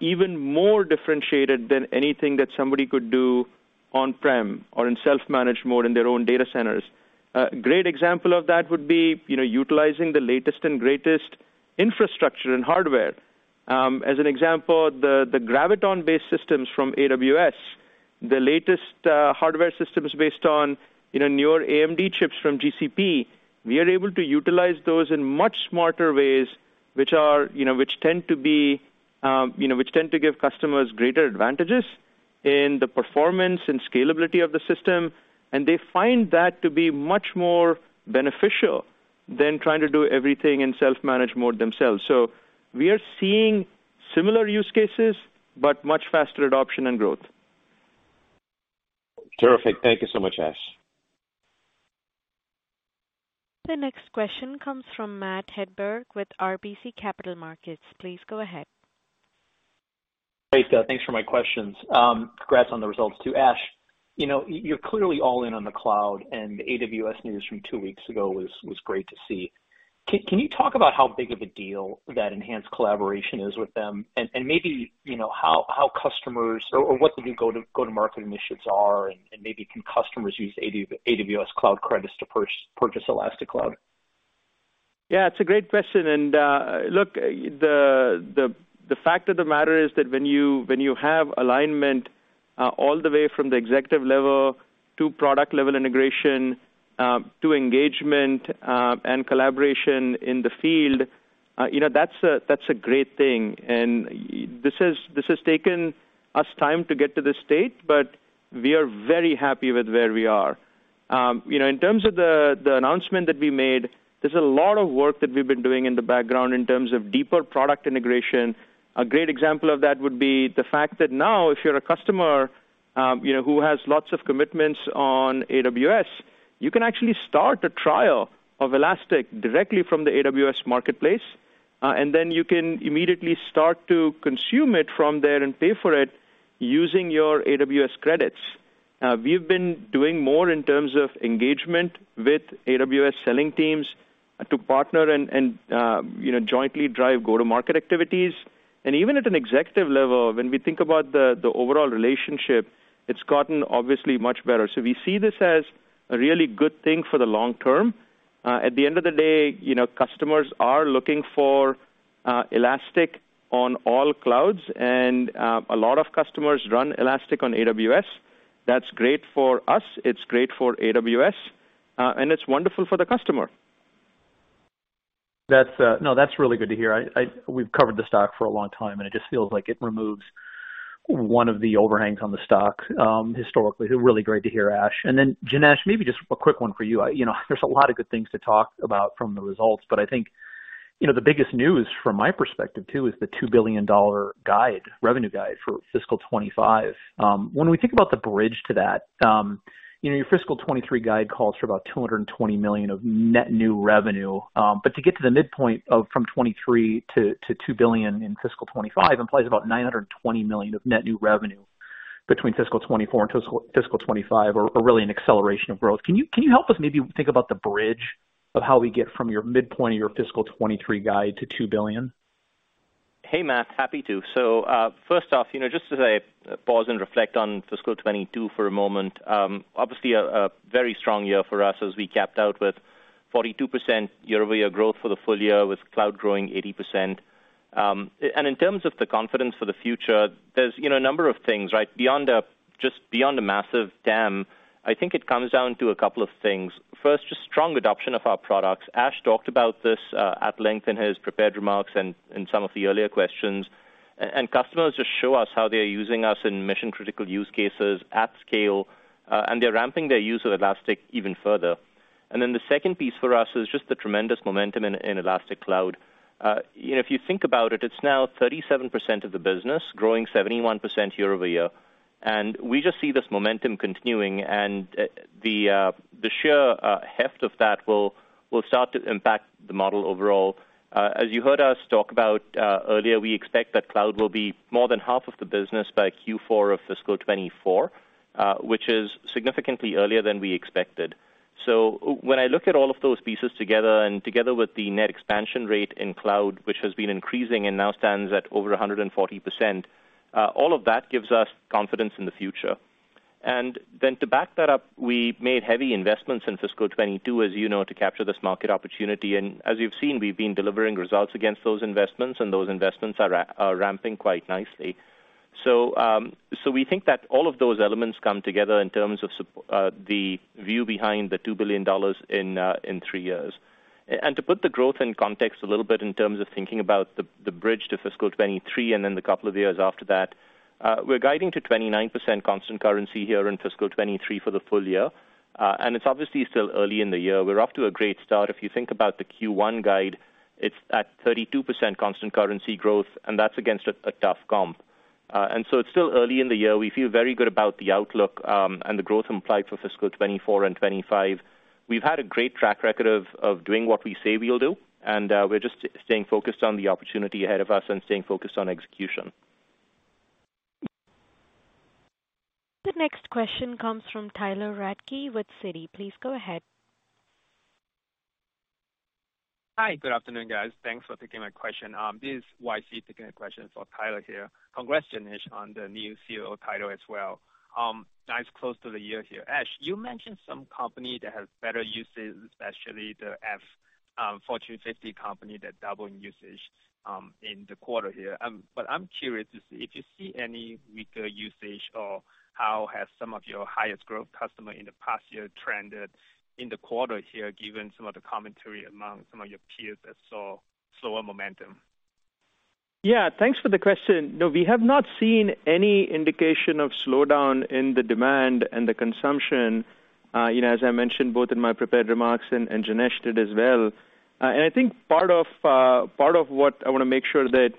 even more differentiated than anything that somebody could do on-prem or in self-managed mode in their own data centers. A great example of that would be, you know, utilizing the latest and greatest infrastructure and hardware. As an example, the Graviton-based systems from AWS, the latest, hardware systems based on, you know, newer AMD chips from GCP, we are able to utilize those in much smarter ways, which tend to be, you know, which tend to give customers greater advantages in the performance and scalability of the system, and they find that to be much more beneficial than trying to do everything in self-managed mode themselves. We are seeing similar use cases, but much faster adoption and growth. Terrific. Thank you so much, Ash. The next question comes from Matt Hedberg with RBC Capital Markets. Please go ahead. Great. Thanks for my questions. Congrats on the results too. Ash, you know, you're clearly all in on the cloud, and the AWS news from two weeks ago was great to see. Can you talk about how big of a deal that enhanced collaboration is with them? And maybe, you know, how customers or what the new go-to-market initiatives are, and maybe can customers use AWS cloud credits to purchase Elastic Cloud? Yeah, it's a great question. Look, the fact of the matter is that when you have alignment all the way from the executive level to product level integration to engagement and collaboration in the field, you know, that's a great thing. This has taken us time to get to this state, but we are very happy with where we are. You know, in terms of the announcement that we made, there's a lot of work that we've been doing in the background in terms of deeper product integration. A great example of that would be the fact that now if you're a customer, you know, who has lots of commitments on AWS, you can actually start a trial of Elastic directly from the AWS Marketplace, and then you can immediately start to consume it from there and pay for it using your AWS credits. We've been doing more in terms of engagement with AWS selling teams to partner and, you know, jointly drive go-to-market activities. Even at an executive level, when we think about the overall relationship, it's gotten obviously much better. We see this as a really good thing for the long term. At the end of the day, you know, customers are looking for Elastic on all clouds, and a lot of customers run Elastic on AWS. That's great for us, it's great for AWS, and it's wonderful for the customer. That's no, that's really good to hear. We've covered the stock for a long time, and it just feels like it removes one of the overhangs on the stock, historically. Really great to hear, Ash. Then Janesh, maybe just a quick one for you. You know, there's a lot of good things to talk about from the results, but I think, you know, the biggest news from my perspective too is the $2 billion revenue guide for fiscal 2025. When we think about the bridge to that, you know, your fiscal 2023 guide calls for about $220 million of net new revenue. To get to the midpoint of from 2023 to $2 billion in fiscal 2025 implies about $920 million of net new revenue between fiscal 2024 and fiscal 2025 or really an acceleration of growth. Can you help us maybe think about the bridge of how we get from your midpoint of your fiscal 2023 guide to $2 billion? Hey, Matt. Happy to. First off, you know, just to say pause and reflect on fiscal 2022 for a moment, obviously a very strong year for us as we capped out with 42% year-over-year growth for the full year with cloud growing 80%. In terms of the confidence for the future, there's, you know, a number of things, right? Beyond a massive demand, I think it comes down to a couple of things. First, just strong adoption of our products. Ash talked about this at length in his prepared remarks and in some of the earlier questions. Customers just show us how they are using us in mission-critical use cases at scale, and they're ramping their use of Elastic even further. The second piece for us is just the tremendous momentum in Elastic Cloud. You know, if you think about it's now 37% of the business growing 71% year-over-year. We just see this momentum continuing, and the sheer heft of that will start to impact the model overall. As you heard us talk about earlier, we expect that cloud will be more than half of the business by Q4 of fiscal 2024, which is significantly earlier than we expected. When I look at all of those pieces together with the Net Expansion Rate in cloud, which has been increasing and now stands at over 140%, all of that gives us confidence in the future. To back that up, we made heavy investments in fiscal 2022, as you know, to capture this market opportunity. As you've seen, we've been delivering results against those investments, and those investments are ramping quite nicely. We think that all of those elements come together in terms of the view behind the $2 billion in three years. To put the growth in context a little bit in terms of thinking about the bridge to fiscal 2023 and then the couple of years after that, we're guiding to 29% constant currency here in fiscal 2023 for the full year. It's obviously still early in the year. We're off to a great start. If you think about the Q1 guide, it's at 32% constant currency growth, and that's against a tough comp. It's still early in the year. We feel very good about the outlook, and the growth implied for fiscal 2024 and 2025. We've had a great track record of doing what we say we'll do, and we're just staying focused on the opportunity ahead of us and staying focused on execution. The next question comes from Tyler Radke with Citi. Please go ahead. Hi, good afternoon, guys. Thanks for taking my question. This is YC taking a question for Tyler here. Congratulations on the new COO title as well. Now it's close to the end of the year here. Ash, you mentioned some company that has better usage, especially the Fortune 50 company that doubled usage in the quarter here. I'm curious to see if you see any weaker usage or how some of your highest growth customers in the past year have trended in the quarter here, given some of the commentary among some of your peers that saw slower momentum. Yeah. Thanks for the question. No, we have not seen any indication of slowdown in the demand and the consumption, as I mentioned both in my prepared remarks, and Janesh did as well. I think part of what I wanna make sure that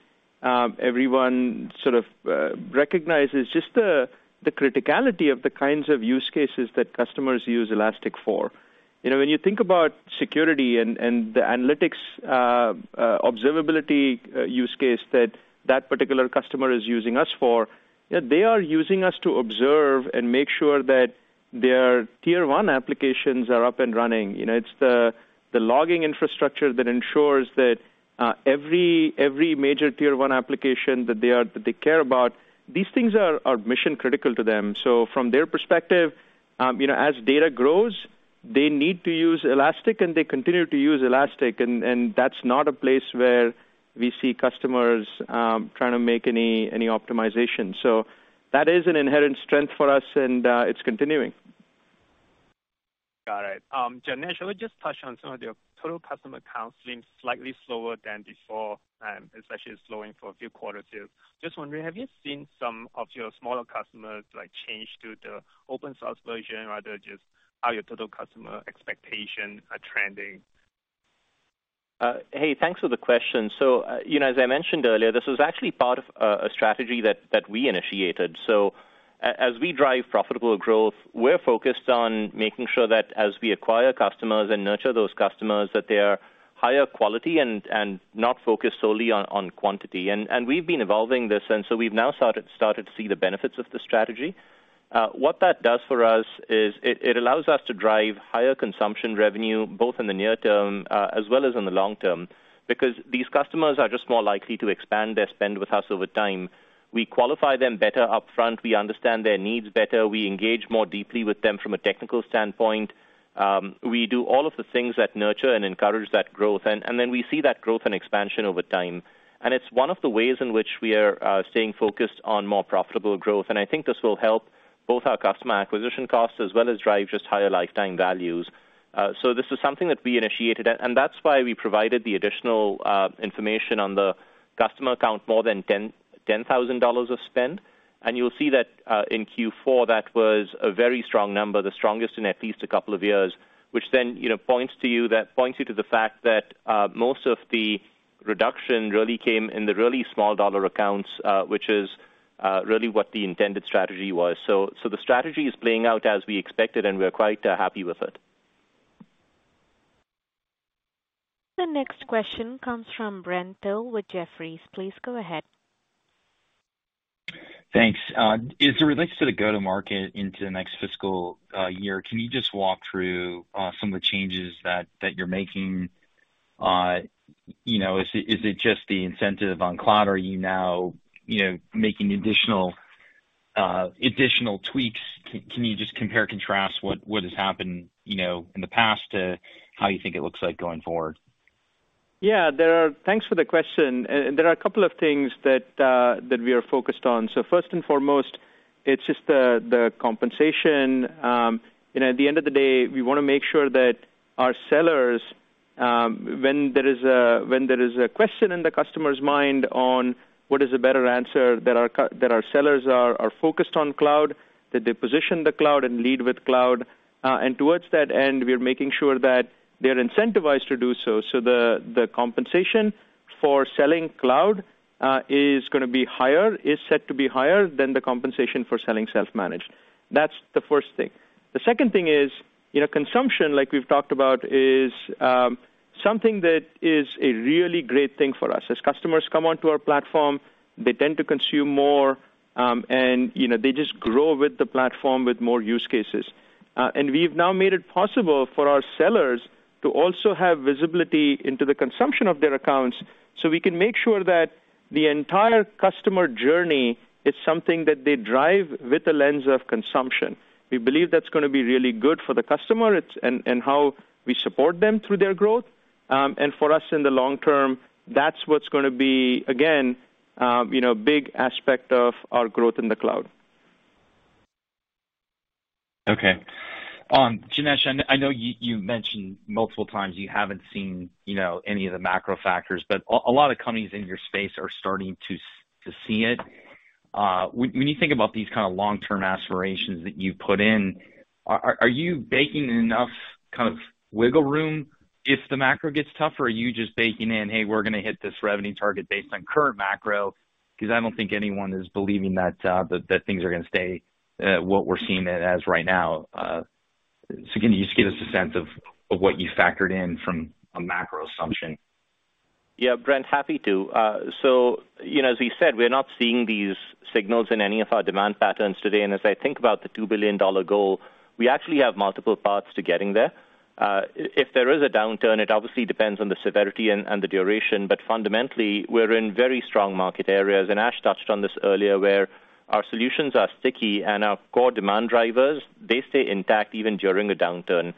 everyone sort of recognizes just the criticality of the kinds of use cases that customers use Elastic for. You know, when you think about security and the analytics, observability use case that particular customer is using us for, yeah, they are using us to observe and make sure that their tier one applications are up and running. You know, it's the logging infrastructure that ensures that every major tier one application that they care about, these things are mission-critical to them. From their perspective, you know, as data grows, they need to use Elastic, and they continue to use Elastic. That's not a place where we see customers trying to make any optimization. That is an inherent strength for us, and it's continuing. Got it. Janesh, shall we just touch on some of your total customer counts being slightly slower than before, especially slowing for a few quarters here. Just wondering, have you seen some of your smaller customers, like, change to the open source version or rather, just how your total customer expectations are trending? Hey, thanks for the question. You know, as I mentioned earlier, this was actually part of a strategy that we initiated. As we drive profitable growth, we're focused on making sure that as we acquire customers and nurture those customers, that they are higher quality and not focused solely on quantity. We've been evolving this, and so we've now started to see the benefits of the strategy. What that does for us is it allows us to drive higher consumption revenue, both in the near term as well as in the long term, because these customers are just more likely to expand their spend with us over time. We qualify them better upfront. We understand their needs better. We engage more deeply with them from a technical standpoint. We do all of the things that nurture and encourage that growth. We see that growth and expansion over time. It's one of the ways in which we are staying focused on more profitable growth. I think this will help both our customer acquisition costs as well as drive just higher lifetime values. This is something that we initiated. That's why we provided the additional information on the customer account, more than $10,000 of spend. You'll see that in Q4, that was a very strong number, the strongest in at least a couple of years, which then you know points you to the fact that most of the reduction really came in the really small dollar accounts, which is really what the intended strategy was. The strategy is playing out as we expected, and we're quite happy with it. The next question comes from Brent Thill with Jefferies. Please go ahead. Thanks. As it relates to the go-to-market into the next fiscal year, can you just walk through some of the changes that you're making? You know, is it just the incentive on cloud, or are you now, you know, making additional Additional tweaks. Can you just compare, contrast what has happened, you know, in the past to how you think it looks like going forward? Thanks for the question. There are a couple of things that we are focused on. First and foremost, it's just the compensation. You know, at the end of the day, we wanna make sure that our sellers, when there is a question in the customer's mind on what is a better answer, that our sellers are focused on cloud, that they position the cloud and lead with cloud. Towards that end, we are making sure that they're incentivized to do so. The compensation for selling cloud is set to be higher than the compensation for selling self-managed. That's the first thing. The second thing is, you know, consumption, like we've talked about, is something that is a really great thing for us. As customers come onto our platform, they tend to consume more, and, you know, they just grow with the platform with more use cases. We've now made it possible for our sellers to also have visibility into the consumption of their accounts, so we can make sure that the entire customer journey is something that they drive with the lens of consumption. We believe that's gonna be really good for the customer, it's and how we support them through their growth. For us in the long term, that's what's gonna be, again, you know, a big aspect of our growth in the cloud. Okay. Janesh, I know you mentioned multiple times you haven't seen, you know, any of the macro factors, but a lot of companies in your space are starting to see it. When you think about these kinda long-term aspirations that you've put in, are you baking in enough kind of wiggle room if the macro gets tougher? Or are you just baking in, "Hey, we're gonna hit this revenue target based on current macro"? 'Cause I don't think anyone is believing that things are gonna stay what we're seeing it as right now. Can you just give us a sense of what you factored in from a macro assumption? Yeah, Brent, happy to. So, you know, as we said, we're not seeing these signals in any of our demand patterns today. As I think about the $2 billion goal, we actually have multiple paths to getting there. If there is a downturn, it obviously depends on the severity and the duration, but fundamentally, we're in very strong market areas. Ash touched on this earlier, where our solutions are sticky and our core demand drivers, they stay intact even during a downturn.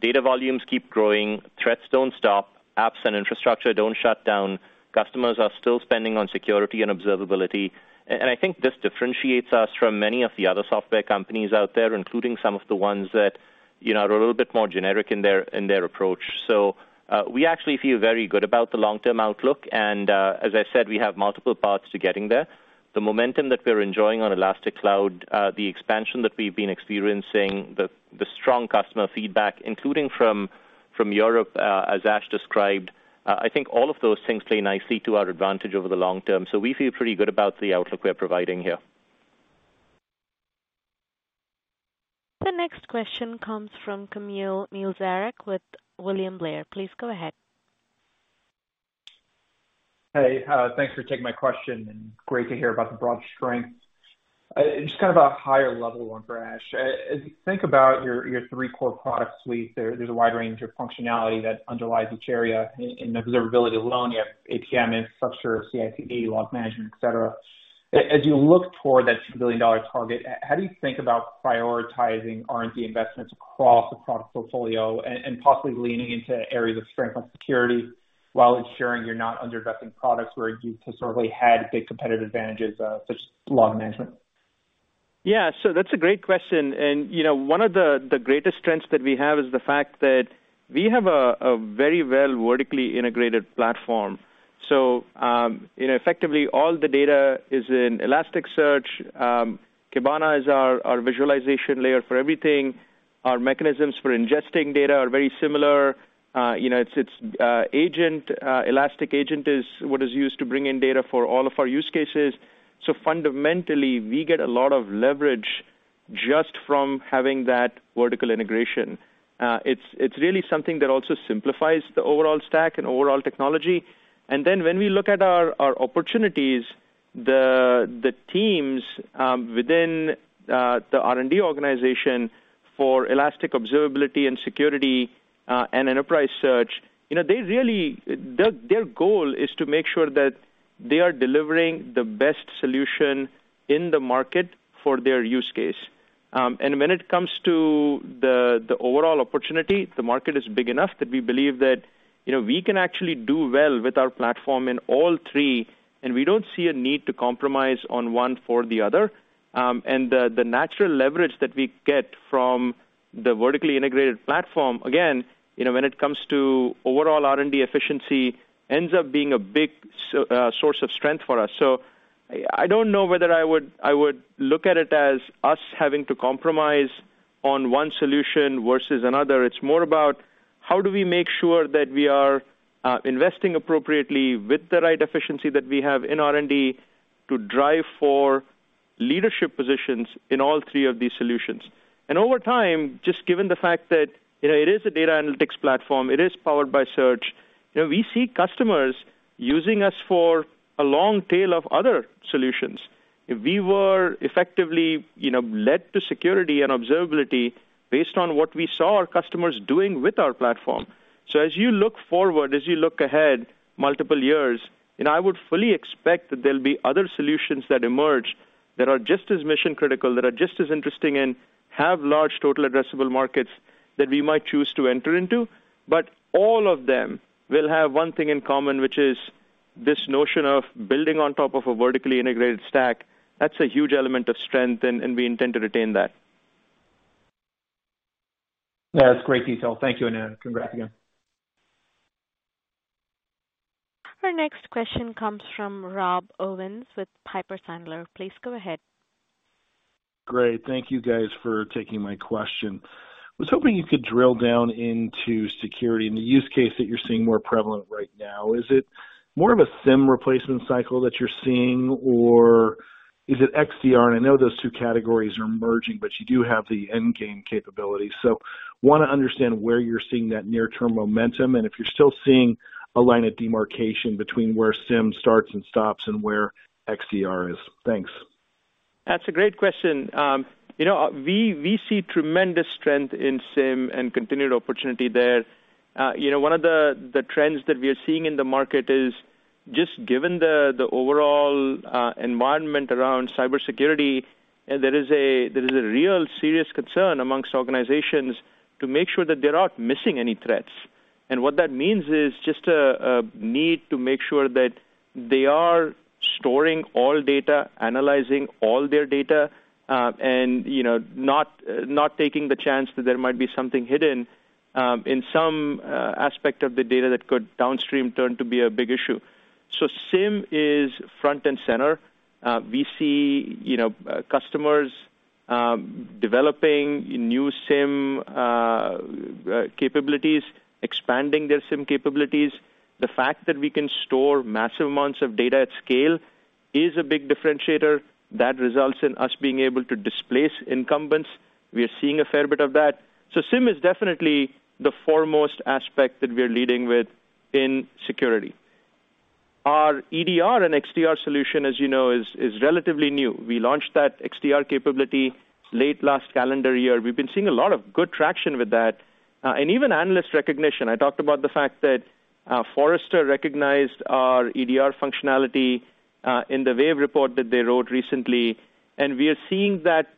Data volumes keep growing, threats don't stop, apps and infrastructure don't shut down. Customers are still spending on security and observability. I think this differentiates us from many of the other software companies out there, including some of the ones that, you know, are a little bit more generic in their approach. We actually feel very good about the long-term outlook, and, as I said, we have multiple paths to getting there. The momentum that we're enjoying on Elastic Cloud, the expansion that we've been experiencing, the strong customer feedback, including from Europe, as Ash described, I think all of those things play nicely to our advantage over the long term. We feel pretty good about the outlook we're providing here. The next question comes from Kamil Mielczarek with William Blair. Please go ahead. Hey, thanks for taking my question, and great to hear about the broad strength. Just kind of a higher level one for Ash. As you think about your three core product suite, there's a wide range of functionality that underlies each area. In observability alone, you have APM, infrastructure, CI/CD, log management, et cetera. As you look toward that $2 billion target, how do you think about prioritizing R&D investments across the product portfolio and possibly leaning into areas of strength, like security, while ensuring you're not under-investing products where you've historically had big competitive advantages, such as log management? Yeah. That's a great question. You know, one of the greatest strengths that we have is the fact that we have a very well vertically integrated platform. You know, effectively all the data is in Elasticsearch. Kibana is our visualization layer for everything. Our mechanisms for ingesting data are very similar. You know, Elastic Agent is what is used to bring in data for all of our use cases. Fundamentally, we get a lot of leverage just from having that vertical integration. It's really something that also simplifies the overall stack and overall technology. When we look at our opportunities, the teams within the R&D organization for Elastic Observability and Security, and Enterprise Search, you know, their goal is to make sure that they are delivering the best solution in the market for their use case. When it comes to the overall opportunity, the market is big enough that we believe that, you know, we can actually do well with our platform in all three, and we don't see a need to compromise on one for the other. The natural leverage that we get from the vertically integrated platform, again, you know, when it comes to overall R&D efficiency, ends up being a big source of strength for us. I don't know whether I would look at it as us having to compromise on one solution versus another. It's more about how do we make sure that we are investing appropriately with the right efficiency that we have in R&D to drive for leadership positions in all three of these solutions. Over time, just given the fact that, you know, it is a data analytics platform, it is powered by search, you know, we see customers using us for a long tail of other solutions. We were effectively, you know, led to security and observability based on what we saw our customers doing with our platform. As you look forward, as you look ahead multiple years, and I would fully expect that there'll be other solutions that emerge that are just as mission-critical, that are just as interesting, and have large total addressable markets that we might choose to enter into. All of them will have one thing in common, which is this notion of building on top of a vertically integrated stack. That's a huge element of strength, and we intend to retain that. That's great detail. Thank you, and uh congrats again. Our next question comes from Rob Owens with Piper Sandler. Please go ahead. Great. Thank you guys for taking my question. I was hoping you could drill down into security and the use case that you're seeing more prevalent right now. Is it more of a SIEM replacement cycle that you're seeing or is it XDR? And I know those two categories are merging, but you do have the Endgame capability. Wanna understand where you're seeing that near-term momentum and if you're still seeing a line of demarcation between where SIEM starts and stops and where XDR is. Thanks. That's a great question. You know, we see tremendous strength in SIEM and continued opportunity there. You know, one of the trends that we are seeing in the market is just given the overall environment around cybersecurity, and there is a real serious concern among organizations to make sure that they're not missing any threats. What that means is just a need to make sure that they are storing all data, analyzing all their data, and you know, not taking the chance that there might be something hidden in some aspect of the data that could downstream turn to be a big issue. SIEM is front and center. We see, you know, customers developing new SIEM capabilities, expanding their SIEM capabilities. The fact that we can store massive amounts of data at scale is a big differentiator that results in us being able to displace incumbents. We are seeing a fair bit of that. SIEM is definitely the foremost aspect that we are leading with in security. Our EDR and XDR solution, as you know, is relatively new. We launched that XDR capability late last calendar year. We've been seeing a lot of good traction with that, and even analyst recognition. I talked about the fact that Forrester recognized our EDR functionality in the Wave report that they wrote recently, and we are seeing that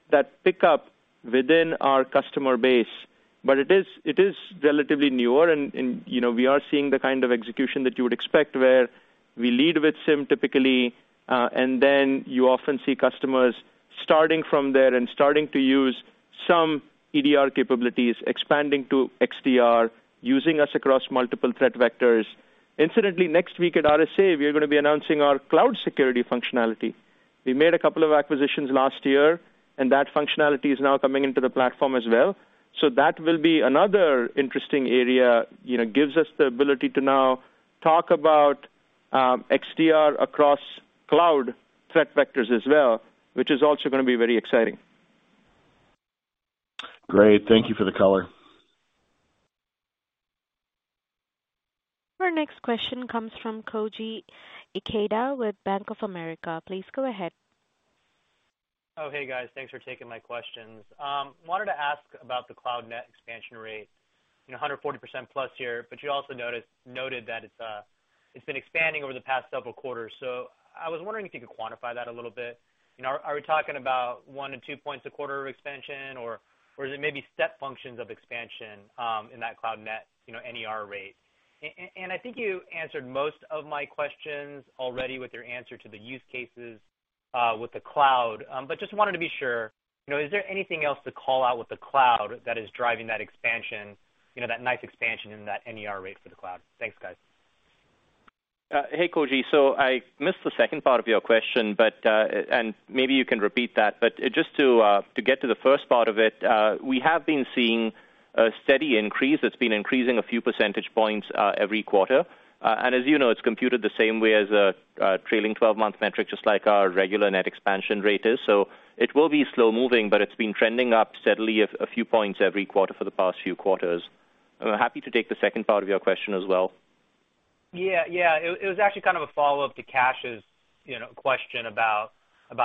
pick up within our customer base. It is relatively newer and, you know, we are seeing the kind of execution that you would expect, where we lead with SIEM typically, and then you often see customers starting from there and starting to use some EDR capabilities, expanding to XDR, using us across multiple threat vectors. Incidentally, next week at RSA, we are gonna be announcing our cloud security functionality. We made a couple of acquisitions last year, and that functionality is now coming into the platform as well. That will be another interesting area, you know, gives us the ability to now talk about XDR across cloud threat vectors as well, which is also gonna be very exciting. Great. Thank you for the color. Our next question comes from Koji Ikeda with Bank of America. Please go ahead. Oh, hey, guys. Thanks for taking my questions. Wanted to ask about the cloud Net Expansion Rate. You know, 140% plus here, but you also noted that it's been expanding over the past several quarters. So I was wondering if you could quantify that a little bit. You know, are we talking about one to two points a quarter expansion or is it maybe step functions of expansion in that cloud net, you know, NER rate? And I think you answered most of my questions already with your answer to the use cases with the cloud. But just wanted to be sure, you know, is there anything else to call out with the cloud that is driving that expansion, you know, that nice expansion in that NER rate for the cloud? Thanks, guys. Hey, Koji. I missed the second part of your question, but and maybe you can repeat that. Just to get to the first part of it, we have been seeing a steady increase. It's been increasing a few percentage points every quarter. And as you know, it's computed the same way as a trailing twelve-month metric, just like our regular Net Expansion Rate is. It will be slow moving, but it's been trending up steadily a few points every quarter for the past few quarters. I'm happy to take the second part of your question as well. Yeah, yeah. It was actually kind of a follow-up to Kash's, you know, question about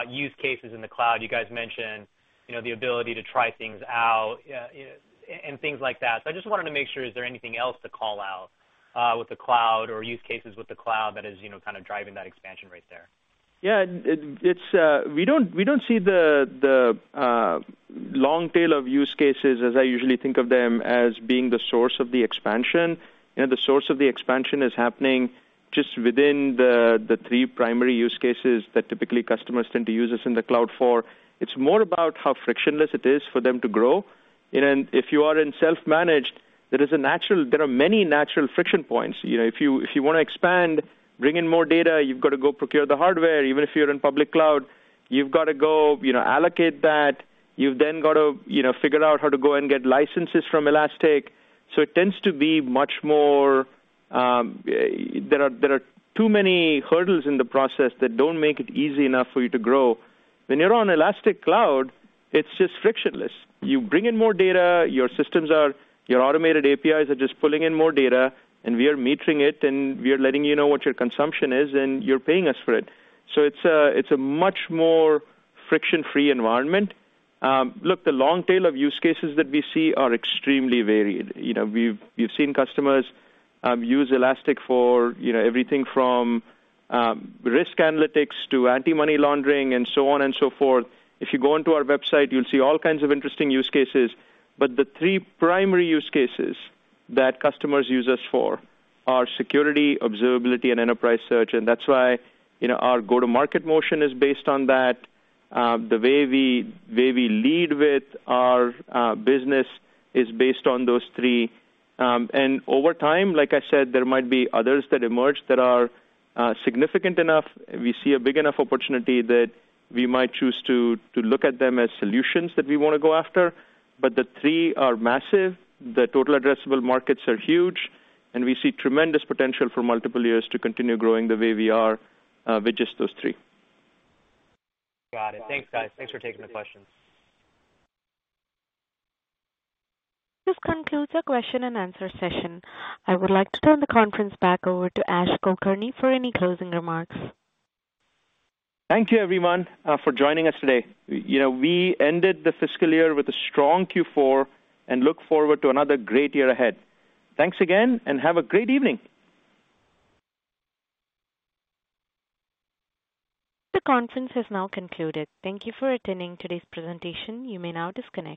use cases in the cloud. You guys mentioned, you know, the ability to try things out, and things like that. I just wanted to make sure, is there anything else to call out with the cloud or use cases with the cloud that is, you know, kind of driving that expansion rate there? Yeah. We don't see the long tail of use cases, as I usually think of them, as being the source of the expansion. You know, the source of the expansion is happening just within the three primary use cases that typically customers tend to use us in the cloud for. It's more about how frictionless it is for them to grow. You know, if you are in self-managed, there are many natural friction points. You know, if you wanna expand, bring in more data, you've got to go procure the hardware. Even if you're in public cloud, you've got to go, you know, allocate that. You've then got to, you know, figure out how to go and get licenses from Elastic. It tends to be much more. There are too many hurdles in the process that don't make it easy enough for you to grow. When you're on Elastic Cloud, it's just frictionless. You bring in more data, your systems are your automated APIs are just pulling in more data, and we are metering it, and we are letting you know what your consumption is, and you're paying us for it. It's a much more friction-free environment. Look, the long tail of use cases that we see are extremely varied. You know, we've seen customers use Elastic for you know, everything from risk analytics to anti-money laundering and so on and so forth. If you go onto our website, you'll see all kinds of interesting use cases, but the three primary use cases that customers use us for are security, observability, and enterprise search. That's why, you know, our go-to-market motion is based on that. The way we lead with our business is based on those three. Over time, like I said, there might be others that emerge that are significant enough, we see a big enough opportunity that we might choose to look at them as solutions that we wanna go after. The three are massive. The total addressable markets are huge, and we see tremendous potential for multiple years to continue growing the way we are with just those three. Got it. Thanks, guys. Thanks for taking the question. This concludes our question and answer session. I would like to turn the conference back over to Ash Kulkarni for any closing remarks. Thank you everyone, for joining us today. You know, we ended the fiscal year with a strong Q4 and look forward to another great year ahead. Thanks again, and have a great evening. The conference has now concluded. Thank you for attending today's presentation. You may now disconnect.